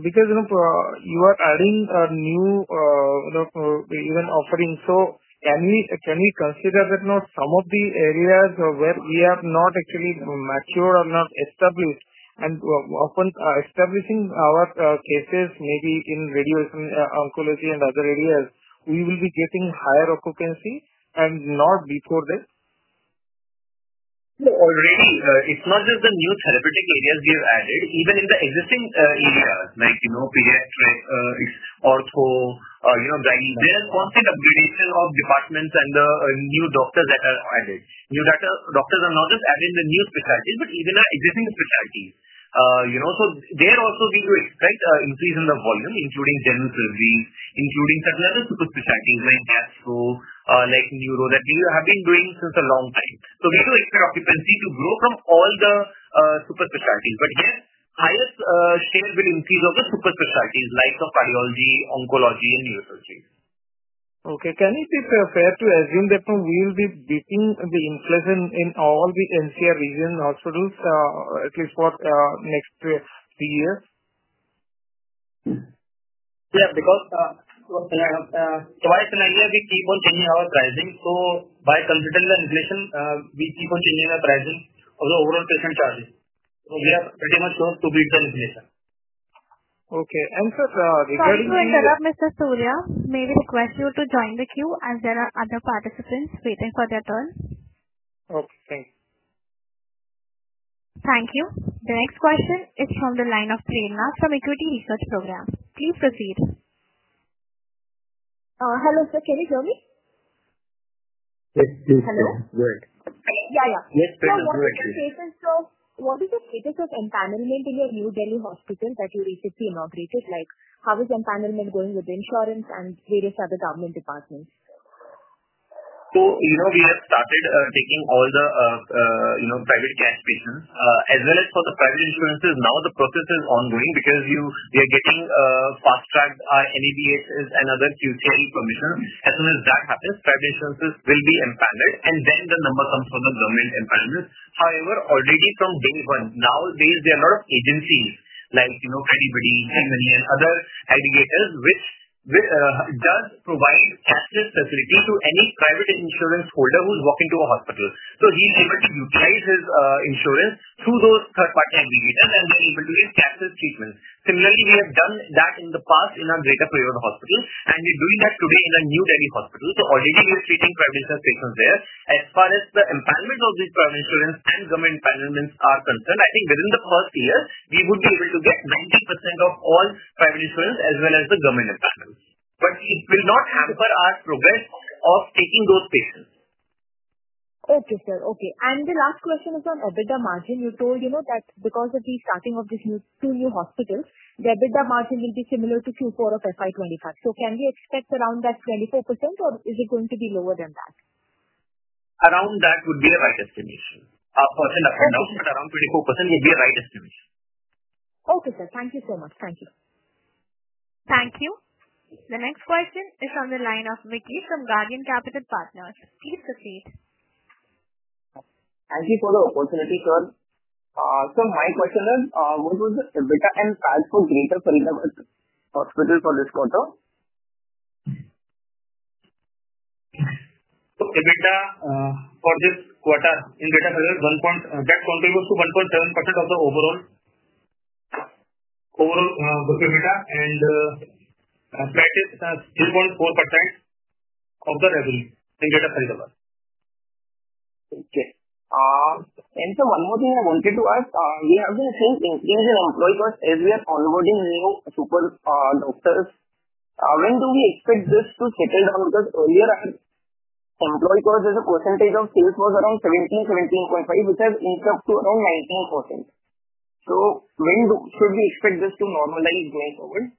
because you are adding a new, you know, even offering? Can we consider that some of the areas where we are not actually mature or not established and often establishing our cases maybe in radiation Ocology and other areas, we will be getting higher occupancy and not before this? It's not just the new therapeutic areas we have added. Even in the existing areas, like pediatrics and ortho, there are constant updates of departments and the new doctors that are added. New doctors are not just adding the new specialties, but even our existing specialties, so they're also going to expect an increase in the volume, including general surgery and certain other specialties like gastro, like neurothat we have been doing since a long time. We can expect occupancy to grow from all the super specialties. Yes, highest trends with increase of the super specialties, like cardiology, oncology, and neurosurgery. Okay. Can it be fair to assume that we will be beating the inflation in all the NCR region hospitals, at least for the next few years? Yeah, because to my scenario, we keep on changing our pricing. By considering the inflation, we keep on changing our pricing of the overall patient charge. We are pretty much close to beating the inflation. Okay. Sir, regarding. Before I shut off, Mr. Surya, may we request you to join the queue as there are other participants waiting for their turn? Okay. Thanks. Thank you. The next question is from the line of Prerana from Equity Research Program. Please proceed. Hello, sir. Can you hear me? Yes, please. Go ahead. Yeah. What is the status of empanelment in your New Delhi Hospital that you recently inaugurated? How is empanelment going with insurance and various other government departments? We have started taking all the private cash patients, as well as for the private insurances. The process is ongoing because we are getting fast-tracked NABH and other QCe permissions. As soon as that happens, private insurances will be empowered, and then the number comes from the government empowerment. Already from day one, nowadays, there are a lot of agencies like CreditBuddy, and other aggregators which do provide cashless facilities to any private insurance holder who's walking to a hospital. He's able to utilize his insurance through those third-party aggregators and they're able to get cashless treatments. Similarly, we have done that in the past in our Greater Faridabad Hospital, and we're doing that today in our New Delhi Hospital. Already we're treating private insurance patients there. As far as the empowerment of these private insurance and government empowerments are concerned, I think within the first year, we would be able to get 90% of all private insurance as well as the government empowerments. It will not hamper our progress of taking those patients. Thank you, sir. Okay. The last question is on EBITDA margin. You told, you know, that because of the starting of these two new hospitals, the EBITDA margin will be similar to Q4 of FY 2025. Can we expect around that 25%, or is it going to be lower than that? Around that would be the right estimation. For now, it's around 24% would be the right estimation. Okay, sir. Thank you so much. Thank you. Thank you. The next question is on the line of Vicky from Guardian Capital Partners. Please proceed. Thank you for the opportunity, sir. Some high questions. What was the EBITDA and CapEx for Greater Faridabad Hospital for this quarter? EBITDA for this quarter in Greater Faridabad, that contributes to 1.7% of the overall EBITDA, and that is 2.4% of the revenue in Greater Faridabad. Okay. Sir, one more thing I wanted to ask. We have been seeing increase in employee costs as we are onboarding new super doctors. When do we expect this to settle down? Earlier, our employee cost as a percentage of sales was around 17%, 17.5%, which has increased to around 19%. When should we expect this to normalize going forward?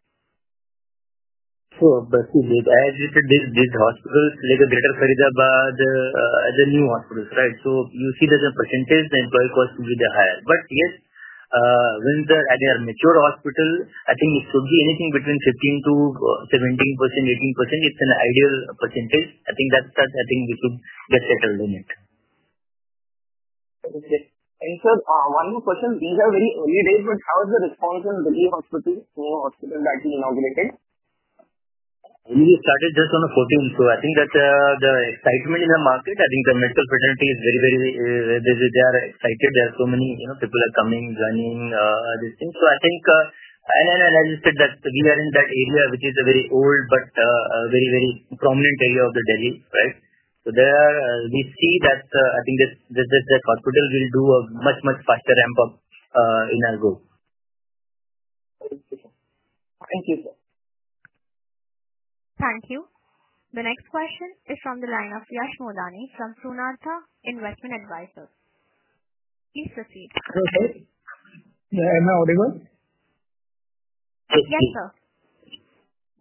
As you said, these hospitals like Greater Faridabad as a new hospital, right? You see that the percentage of employee costs will be higher. When they're at a mature hospital, I think it should be anything between 15%-17%, 18%. It's an ideal percentage. I think we should get settled in it. Okay. Sir, one more question. These are very early days. How is the response on the new hospitals, new hospitals that you inaugurated? We started just on the 14th. I think that the excitement in the market, I think the medical fraternity is very, very excited. There are so many, you know, people are coming, running, these things. I think that we are in that area, which is a very old but a very, very prominent area of Delhi, right? We see that this hospital will do a much, much faster ramp-up in our growth. Thank you. Thank you. The next question is from the line of Yash Molani from Samarthya Investment Advisors. Please proceed. Hello, sir. Am I available? Yes, sir.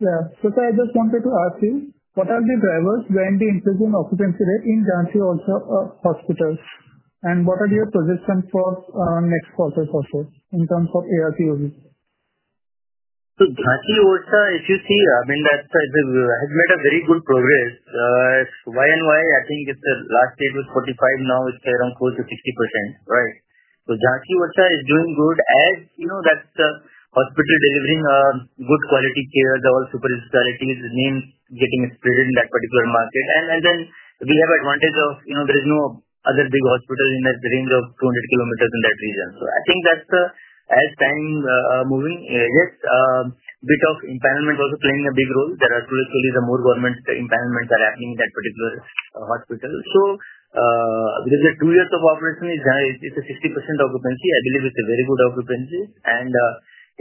Yeah. Sir, I just wanted to ask you, what are the drivers behind the increase in occupancy rate in Jhansi Orcha Hospital? What are your projections for next quarter for sure in terms of ARPO? Jhansi Orcha, as you see, I mean, I think we have made very good progress. As year-on-year, I think the last stage was 45%. Now it's around close to 50%, right? Jhansi Orcha is doing good. As you know, that's the hospital delivering good quality care. The whole super specialty is getting spread in that particular market. We have the advantage of, you know, there is no other big hospital in the range of 200 km% in that region. I think as time is moving, yes, a bit of empowerment is also playing a big role. There are clearly some more government empowerments that are adding to that particular hospital. Because there are two years of operation, it's a 60% occupancy. I believe it's a very good occupancy.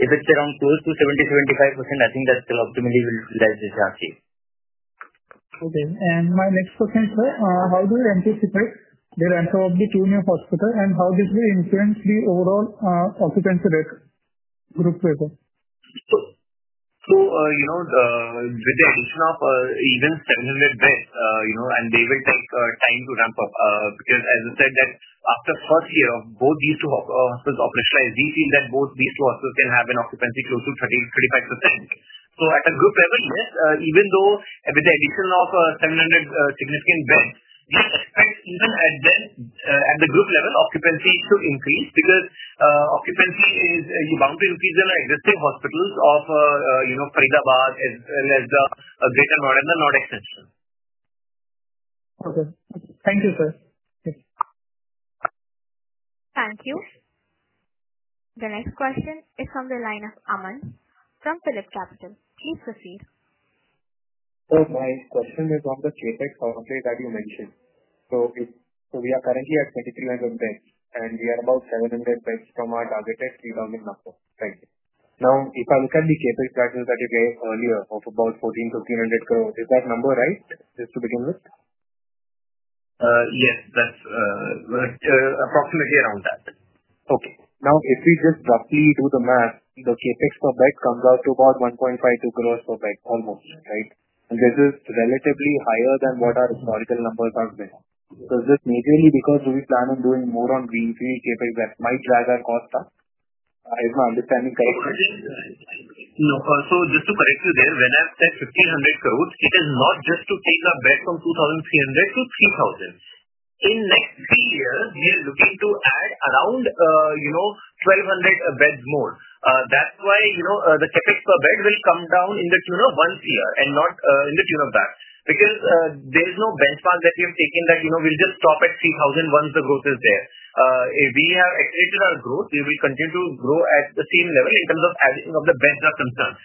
If it's around close to 70%-75%, I think that optimally will drive the Jhansi. Okay. My next question is, how do you anticipate the ramp-up of the two new hospitals and how this will influence the overall occupancy rate growth rate? With the addition of even 700 beds, they will take time to ramp up because, as I said, after the first year of both these two hospitals operationalized, we've seen that both these hospitals can have an occupancy close to 30%-35%. At a group level, yes, even though with the addition of 700 significant beds, we expect even at the group level, occupancy to increase because occupancy is bound to increase in our existing hospitals of Faridabad as well as the Greater Noida, Noida Extension. Okay. Thank you, sir. Thank you. The next question is on the line of Aman from PhillipCapital. Please proceed. My question is on the KPIs that you mentioned. If we are currently at 3.3 million beds, and we are about 700 beds from our targeted 3 million now, thank you. If I look at the KPIs that you gave earlier of about 1,400, 1,500, is that number right, just to begin with? Yes, that's approximately around that. Okay. Now, if we just roughly do the math, the KPIs per bed comes out to about 1.5 million per bed almost, right? This is relatively higher than what our historical numbers have been. Is it majorly because we plan on doing more on GHG KPIs that might drive our cost up? If I'm understanding correctly. No. Just to correct you there, when I said 1,500 growth, it is not just to take our beds from 2,300-3,000. In the next year, we are looking to add around 1,200 beds more. That's why the KPIs per bed will come down in the tune of once a year and not in the tune of that. There is no benchmark that we have taken that we'll just stop at 3,000 once the growth is there. We have executed our growth. We will continue to grow at the same level in terms of adding of the beds that are concerned.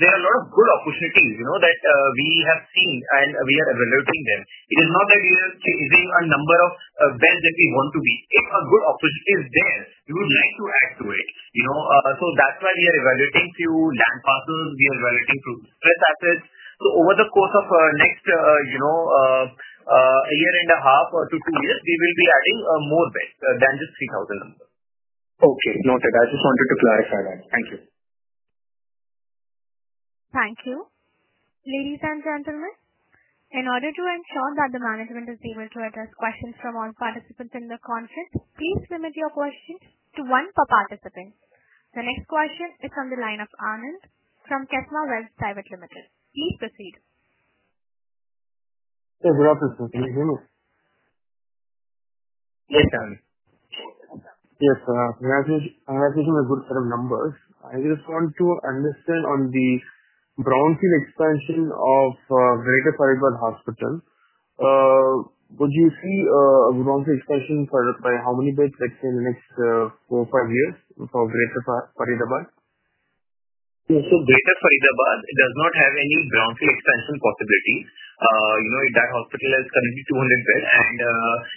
There are a lot of good opportunities that we have seen and we are evaluating them. It is not that we are chasing a number of beds that we want to be. If a good opportunity is there, we would like to add to it. That's why we are evaluating a few land parcels. We are evaluating two stress assets. Over the course of the next year and a half or two, three years, we will be adding more beds than just 3,000. Okay. Noted. I just wanted to clarify that. Thank you. Thank you. Ladies and gentlemen, in order to ensure that the management is able to address questions from all participants in the conference, please limit your questions to one per participant. The next question is on the line of Anand from KSEMA Wealth Pvt. Ltd. Please proceed. Yes, Anil. Yes, sir. You've given a good set of numbers. I just want to understand on the brownfield expansion of Greater Faridabad Hospital. Would you see a brownfield expansion by how many beds, let's say, in the next four or five years for Greater Faridabad? Yeah. Greater Faridabad does not have any brownfield expansion possibility. That hospital has currently 200 beds.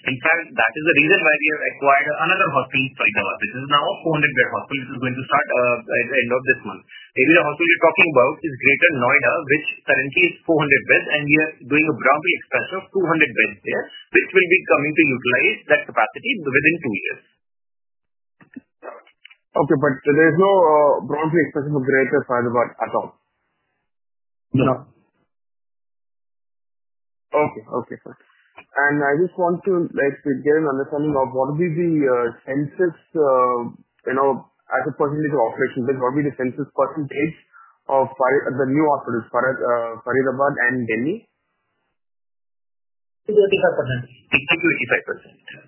In fact, that is the reason why we have acquired another hospital, Faridabad. This is now a 400-bed hospital. This is going to start at the end of this month. Maybe the hospital you're talking about is Greater Noida, which currently is 400 beds, and we are doing a brownfield expansion of 200 beds there. This will be coming to utilize that capacity within two years. Okay. There's no brownfield expansion for Greater Faridabad at all? No. Okay, sir. I just want to get an understanding of what would be the census, you know, as a percentage of operations, like what would be the census percentage of the new hospitals, Faridabad and Delhi? To 25%. To 25%.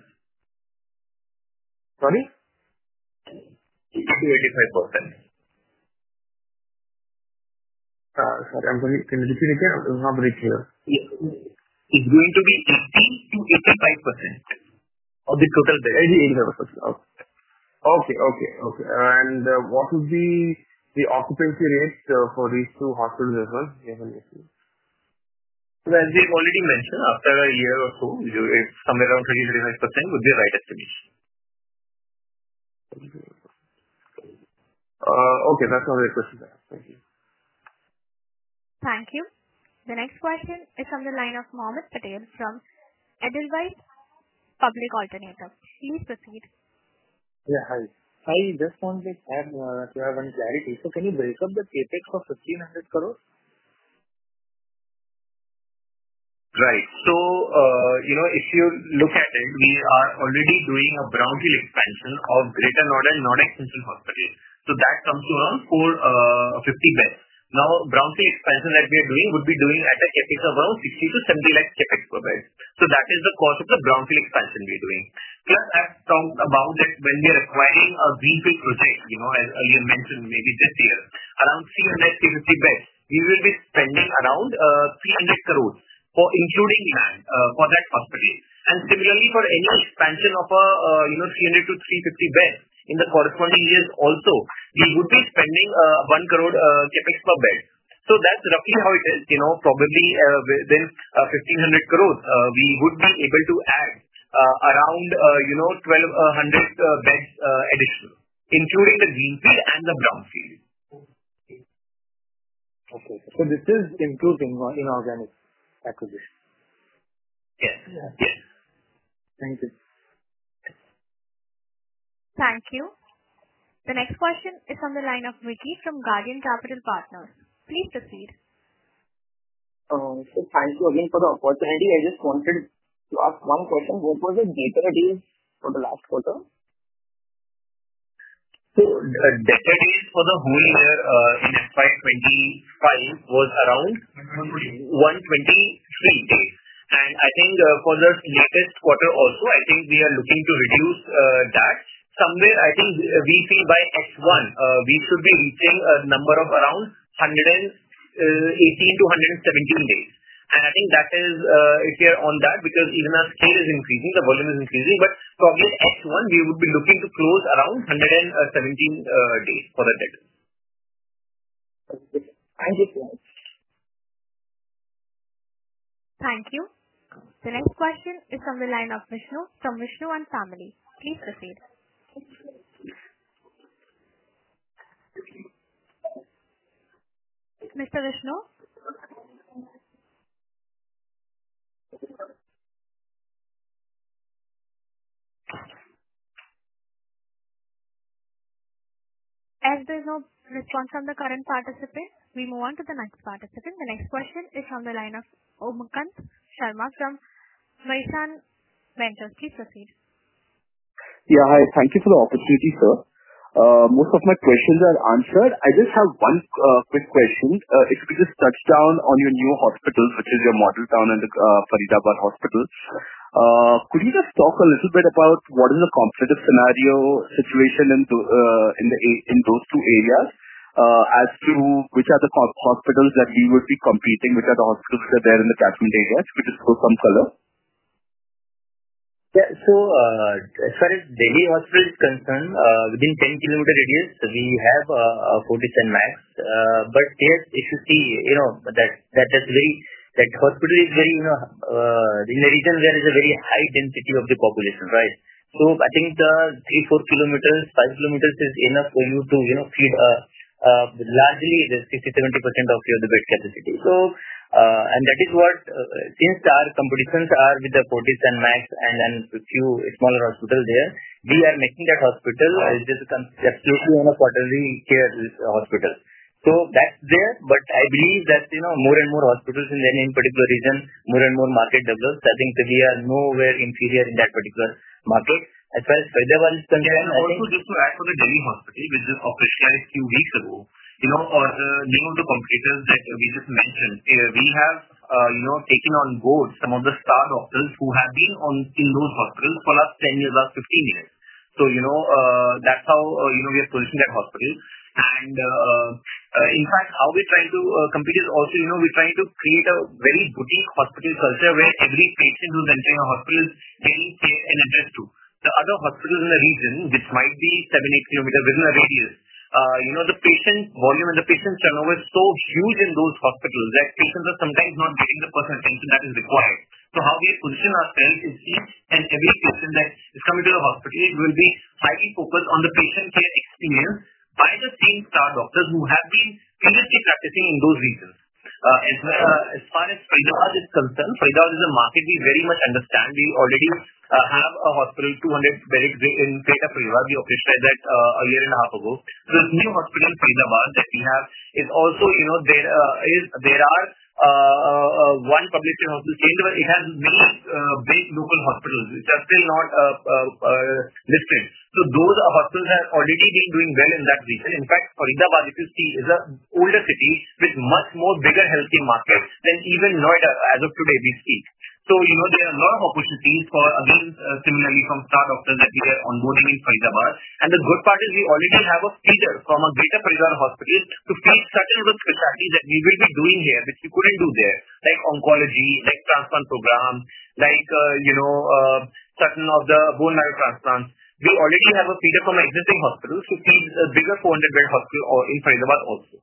Sorry? To 25%. Sorry, I'm sorry. Can you repeat again? I'm not very clear. It's going to be 13%-85% of the total bed. 13%-85%. Okay. Okay. Okay. What would be the occupancy rates for these two hospitals as well? After a year or two, it's somewhere around 30%-35% would be right estimate. Okay. That's all the questions I have. Thank you. Thank you. The next question is on the line of Mohammed Patel from Edelweiss Public Alternative. Please proceed. Yeah, hi. I just wanted to add to have one clarity. Can you break up the KPIs for INR 1,500 crore? Right. So, you know, if you look at it, we are already doing a brownfield expansion of Greater Noida, Noida Extension hospital. That comes to around 450 beds. Now, brownfield expansion that we are doing would be at a CapEx of around 6 million-7 million per bed. That is the cost of the brownfield expansion we're doing. Plus, I have talked about that when we are acquiring a greenfield project, you know, as earlier mentioned, maybe this year, around 300 to 350 beds, we will be spending around INR 3 billion for inclusion for that hospital. Similarly, for any expansion of a, you know, 300-350 beds in the corresponding areas also, we would be spending 10 million CapEx per bed. That's roughly how it is, you know, probably within 1,500 crores, we would be able to add around, you know, 1,200 beds additionally, including the greenfield and the brownfield. This is improving on inorganic acquisition. Thank you. The next question is on the line of Vicky from Guardian Capital Partners. Please proceed. Thank you again for the opportunity. I just wanted to ask one question. What was the data for the last quarter? The data for the whole year in FY 2025 was around 120,000. I think for the latest quarter also, we are looking to reduce that. Somewhere, I think we see by FY 2026, we should be reaching a number of around 118-117 days. I think that is if we are on that because even our spend is increasing, the volume is increasing. Probably FY 2026, we would be looking to close around 117 days for the data. Okay, thank you so much. Thank you. The next question is on the line of Vishnu from Vishnu One Family. Please proceed. Mr. Vishnu? As there's no response from the current participant, we move on to the next participant. The next question is on the line of Umakant Sharma from Meishan Ventures. Please proceed. Yeah. Hi. Thank you for the opportunity, sir. Most of my questions are answered. I just have one quick question. It's to just touch down on your new hospitals, which is your Mother Town and Faridabad Hospital. Could you just talk a little bit about what is the competitive scenario situation in those two areas as to which are the hospitals that we would be competing, which are the hospitals that are there in the catchment areas? Could you show some color? Yeah. As far as New Delhi Hospital is concerned, within a 10-km radius, we have cottages and mans. If you see, that hospital is in the region where there is a very high density of the population, right? I think three, four, five kilometers is enough for you to feed largely 60%-70% of your bed capacity. That is what, since our competitions are with the cottages and mans and then a few smaller hospitals there, we are making that hospital just a completely an apartmentary care hospital. That's there. I believe that more and more hospitals in New Delhi in that particular region, more and more market develops, we are nowhere inferior in that particular market. As far as Faridabad is concerned, also just to add for the New Delhi Hospital which was operationalized a few weeks ago, our new competitors that we just mentioned, we have taken on board some of the star doctors who have been in those hospitals for the last 10 years, the last 15 years. That's how we are positioning that hospital. In fact, how we're trying to compete is also, we're trying to create a very boutique hospital culture where every patient who's entering our hospital is very safe and addressed too. The other hospitals in the region, which might be 7 km, 8 km within a radius, the patient volume and the patient turnover is so huge in those hospitals that patients are sometimes not getting the personal attention that is required. How we position ourselves and can be a platform that is coming to the hospital will be highly focused on the patient care experience by the same star doctors who have been previously practicing in those regions. As far as Faridabad is concerned, Faridabad is a market we very much understand. We already have a hospital, 200 beds in Greater Faridabad. We operated that a year and a half ago. The new hospital, Faridabad, that we have is also, there is one public care hospital chain where it has new big local hospitals which are still not listed. Those hospitals are already doing well in that region. In fact, Faridabad, if you see, is an older city with much more bigger healthcare markets than even Noida as of today these days. There are a lot of opportunities for others similarly from star doctors that we were onboarding in Faridabad. The good part is we already have a feeder from a Greater Faridabad hospital to feed certain of the specialties that we will be doing here which we couldn't do there, like oncology, like transplant program, like certain of the bone marrow transplants. We already have a feeder from an existing hospital to feed a bigger 400-bed hospital in Faridabad also.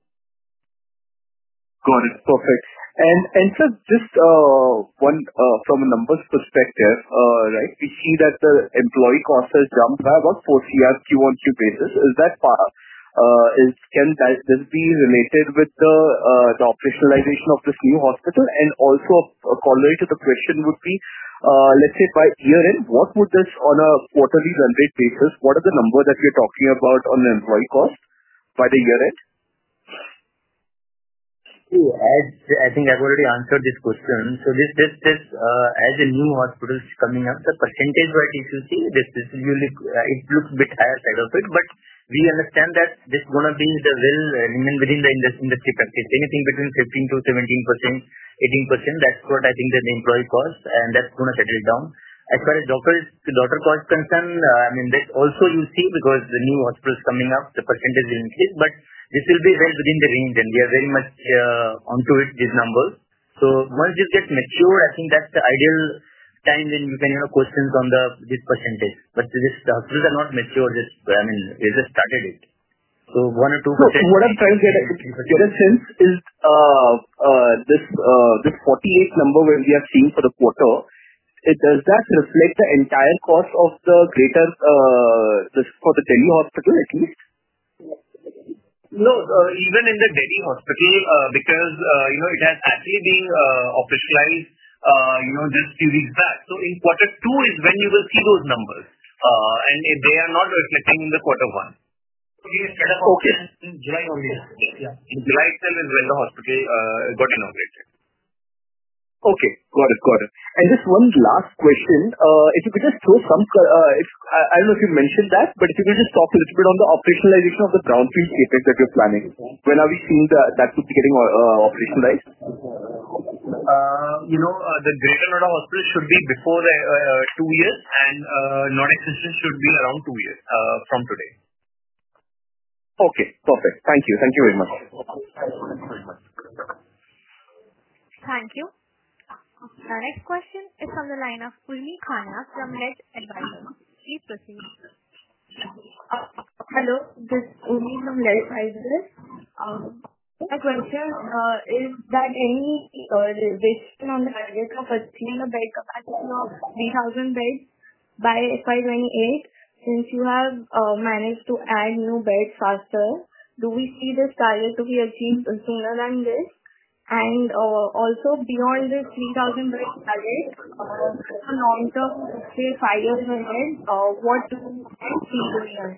Got it. Perfect. Sir, just one from a numbers perspective, right, we see that the employee cost has jumped by about 4 crore Q on Q basis. Is that, can that still be related with the officialization of this new hospital? Also, a correlated question would be, let's say by year-end, what would this on a quarterly or monthly basis, what are the numbers that we're talking about on the employee cost by the year-end? I think I've already answered this question. As a new hospital is coming up, the percentage-wise, if you see, this really looks a bit higher side of it. We understand that this is going to be the range within the industry practice. Anything between 15%-17%, 18%, that's what I think the employee cost, and that's going to settle down. As far as doctor cost is concerned, I mean, that's also you see because the new hospital is coming up, the percentage will increase. This will be well within the range, and we are very much onto it, these numbers. Once this gets mature, I think that's the ideal time when you can have questions on the big percentage. This hospital is not matured. I mean, we just started it. 1% or 2%. What I'm trying to get a sense is, this 48 number where we are seeing for the quarter, does that reflect the entire cost of the Greater Delhi Hospital, isn't it? No. Even in the New Delhi Hospital, because, you know, it has actually been officialized, you know, this few weeks back. In quarter two is when you will see those numbers, and they are not reflecting in the quarter one. Okay. In July only. Yeah. In July sale is when the hospital got inaugurated. Okay. Got it. Got it. One last question, if you could just show some, if I don't know if you mentioned that, but if you can just talk a little bit on the operationalization of the brownfield KPIs that we're planning for, when are we seeing that that could be getting operationalized? The Greater Noida Hospital should be before the two years, and Noida Extension should be around two years from today. Okay. Perfect. Thank you. Thank you very much. Thank you. Our next question is on the line of Umi Konya from LED Advisors. Please proceed. Hello. This is Umi from LED Advisors. A question, is there any resistance on the target of 300 beds by FY 2028, since you have managed to add new beds faster? See the size of your teams in Singhalal and also beyond the 3,000 beds, say, five years ahead. What do you see going on?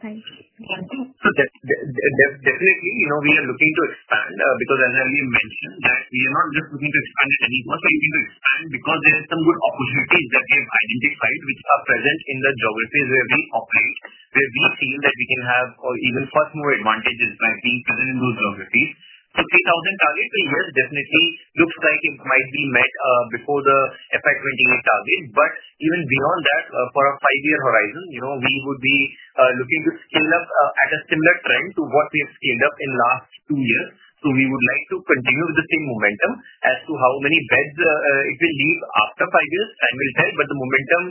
Definitely, you know, we are looking to expand, because as I mentioned, we are not just looking to expand anymore. We need to expand because there are some good opportunities that we have identified which are present in the geographies where we operate, where we feel that we can have or even cost more advantages by being present in those geographies. The 3,000 target invest definitely looks like it might be met before the FY 2028 target. Even beyond that, for a five-year horizon, you know, we would be looking to scale up at a similar trend to what we have scaled up in the last two years. We would like to continue with the same momentum as to how many beds it will leave after five years. Time will tell, but the momentum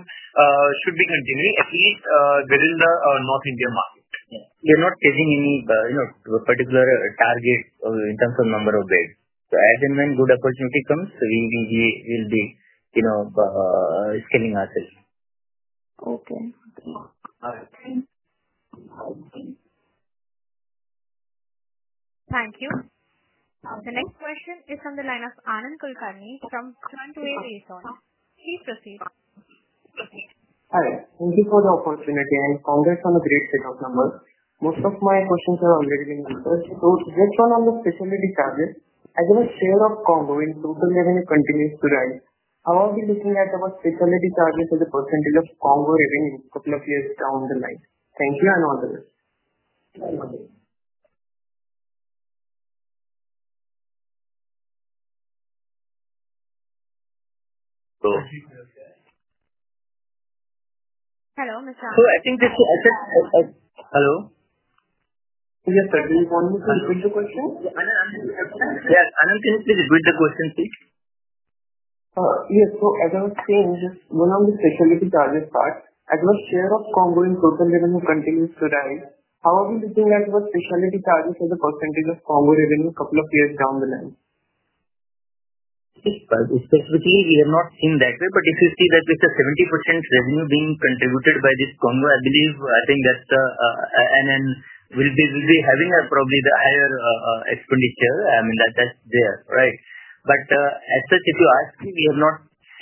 should be continuing, at least within the North India market. We are not taking any particular target in terms of number of beds. As and when good opportunity comes, we will be scaling ourself. Okay. Thank you. The next question is on the line of Anand Kulkarni from Sunantuli Raison. Please proceed. Hi. Thank you for the opportunity and congrats on the great set of numbers. Most of my questions are on revenue numbers. Let's go on the specialty target. As you know, the spirit of combo in total revenue continues to rise. How are we looking at our specialty targets as a percentage of combo revenue in a couple of years down the line? Thank you, Ananda. Hello, Misha. I think this is hello? Is it Fadil calling? Could you call for? Anand? Yes, Anand, can you please repeat the question, please? Yes, as I was saying, this is one of the specialty target parts. As our share of combo in total revenue continues to rise, how are we looking at what specialty targets for the percentage of combo revenue a couple of years down the line? We are not seeing that way. If you see that with the 70% revenue being contributed by this combo, I believe that's the, and then we'll be really having probably the higher expenditure. That's there, right? As such, if you ask me, we are not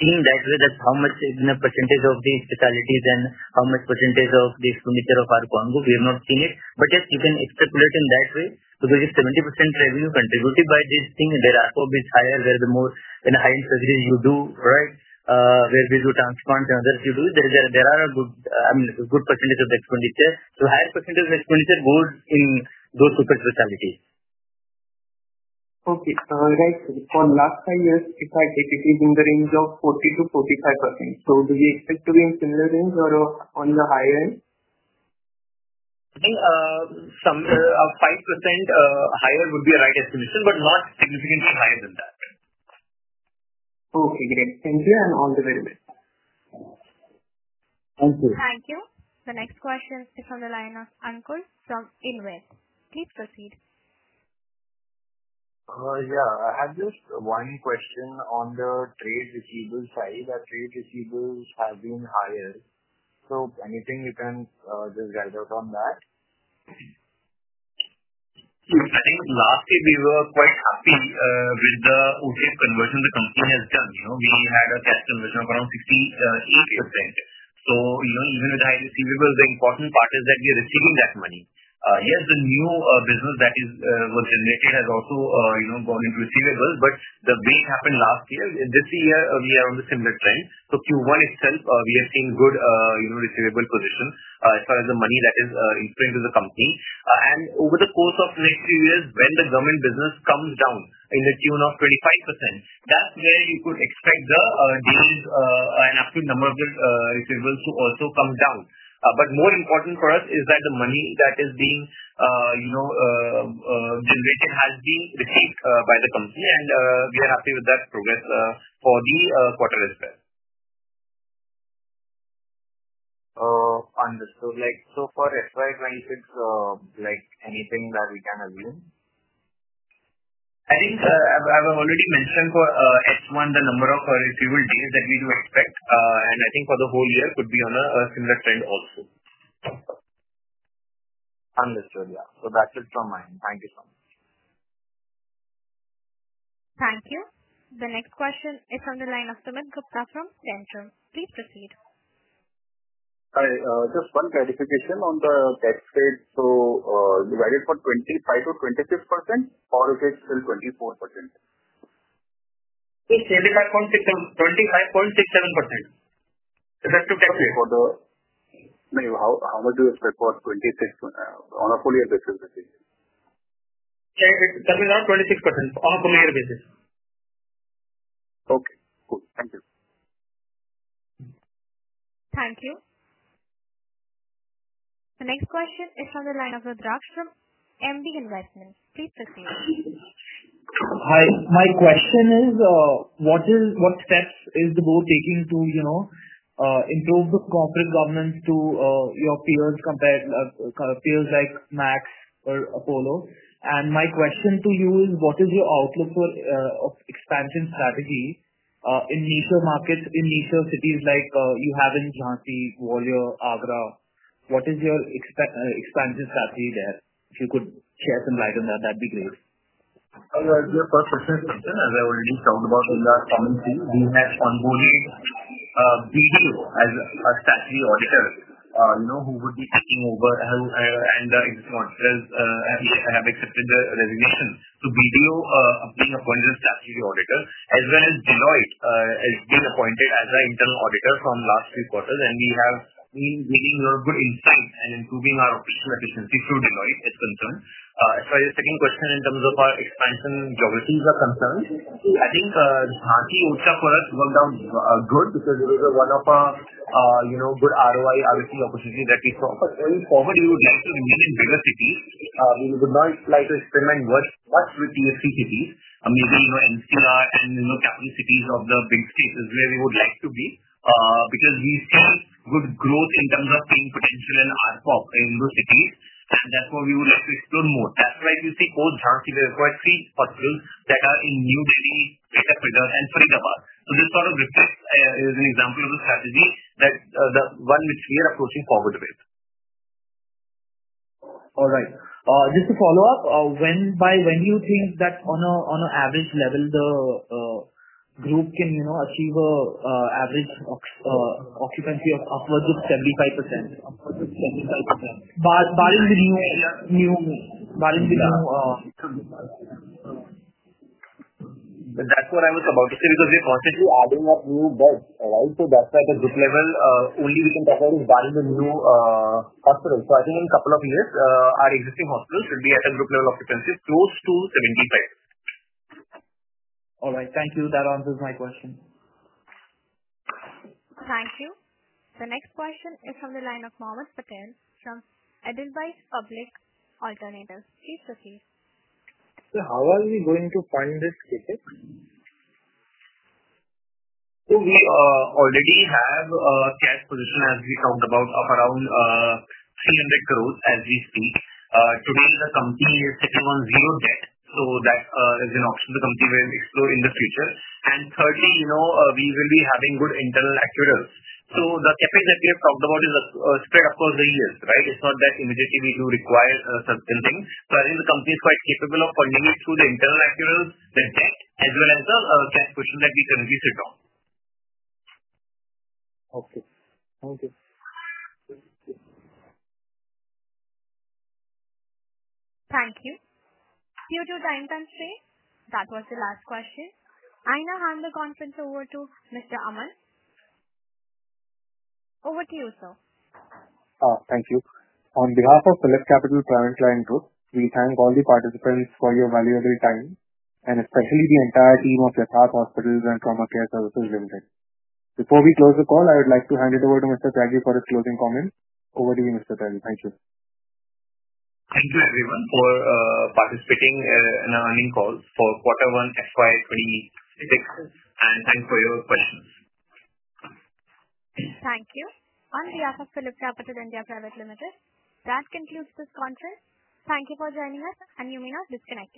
seeing that way, that how much is in a percentage of the hospitalities and how much percentage of the expenditure of our combo, we have not seen it. Yes, you can extrapolate in that way. There is 70% revenue contributed by this thing. There are probably higher where the more and higher surgeries you do, where we do transplants and others you do. There are a good, I mean, a good % of expenditure. A higher percentage of expenditure goes in those hospitalities. Okay, guys, for the last 10 years, CPI/KPI is in the range of 40%-45%. Do we expect to be in similar range or on the higher end? I think somewhere 5% higher would be the right explanation, but not significantly higher than that. Okay. Great. Thank you and all the best. Thank you. Thank you. The next question is on the line of Ankush from Invest. Please proceed. Yeah, I had just one question on the trade receivables side. Our trade receivables have been higher. Anything you can just guide us on that? I think last year we were quite happy with the overall conversion the company has done. We had a customer return of around 58%. Even with high receivables, the important part is that we are receiving that money. Yes, the new business that was enlisted has also gone into receivables, but the big happened last year. This year, we are on the similar trend. For Q1 itself, we have seen good receivable position as far as the money that is entering into the company. Over the course of the next few years, when the government business comes down in the tune of 25%, that's where you could expect the gains, an active number of the receivables to also come down. More important for us is that the money that is being generated has been received by the company, and we are happy with that progress for the quarter as well. Understood. As far as S5 rankings, anything that we can agree on? I think I've already mentioned for S1, the number of receivable gains that we do expect. I think for the whole year, it could be on a similar trend also. Understood. Yeah, that's it from my end. Thank you so much. Thank you. The next question is on the line of Sumit Gupta from Centrum. Please proceed. Hi. Just one clarification on the tax rate. Is it divided for 25% or 26%, or is it still 24%? It's still 25.67%. Effective tax rate. Okay. How much do you expect for 2026 on a four-year basis? It's coming out 26% on a four-year basis. Okay, thank you. Thank you. The next question is on the line of Rudra from MD Investment. Please proceed. Hi, my question is, what steps is the board taking to improve the corporate governance compared to peers like Max or Apollo? My question to you is, what is your outlook for expansion strategy in leisure markets, in leisure cities like you have in Jhansi, Walia, Agra? What is your expansion strategy there? If you could share some light on that, that'd be great. Yeah. As I already told about in the coming series, we have onboarded BDO as a strategy auditor, you know, who would be taking over, and I have accepted the resignation to BDO, of being appointed a strategy auditor, as well as Deloitte has been appointed as an internal auditor from last three quarters. We have been getting a lot of good insights and improving our operational efficiency through Deloitte as concerned. As far as the second question in terms of our expansion geographies are concerned, I think Jhansi Orcha for us went down good because it was one of our, you know, good ROI, ROC opportunities that we saw. Going forward, we would like to be in bigger cities. We would not like to experiment much with TSC cities. Amazing, you know, NCR and, you know, county cities of the big cities is where we would like to be, because we still have good growth in terms of paying potential and RCOP in those cities. Therefore, we would like to explore more. That's why you see close, Jhansi there are quite a few hospitals that are in new buildings, like a and for the and Pritapar. So just sort of reflects as an example of the strategy that the one which we are approaching forward with. All right. Just to follow up, by when do you think that on an average level, the group can, you know, achieve an average occupancy of upwards of 75%? That's what I was about to say because we're constantly adding up new beds, all right? That's like a group level. Only we can test that is buying the new hospital. I think in a couple of years, our existing hospitals will be at a group level occupancy close to 75%. All right. Thank you. That answers my question. Thank you. The next question is on the line of Mohammad Patel from Eldeweiss Public Alternatives. Please proceed. How are you going to fund this ticket? We already have a cash position, as we talked about, of around 300 crore as we speak. Today, the company is sitting on zero debt. That is an option the company will explore in the future. Thirdly, we will be having good internal accruals. The tickets that we have talked about is a spec of convenience, right? It's not that immediately we do require certain things. I think the company is quite capable of funding it through the internal accruals, the debt, as well as the cash position the we can release it on Thank you. You do the time, Pankaj. That was the last question. I now hand the conference over to Mr. Amit. Over to you, sir. Oh, thank you. On behalf of Phillips Capital ParentLine Group, we thank all the participants for your valuable time and especially the entire team of Yatharth Hospital & Trauma Care Services Limited. Before we close the call, I would like to hand it over to Mr. Yatharth Tyagi for his closing comments. Over to you, Mr. Yatharth Tyagi. Thank you. Thank you, everyone, for participating in our earnings call for quarter one, FY 2026. Thanks for your questions. Thank you. On behalf of Phillips Capital India Private Limited, that concludes this conference. Thank you for joining us, and you may now disconnect.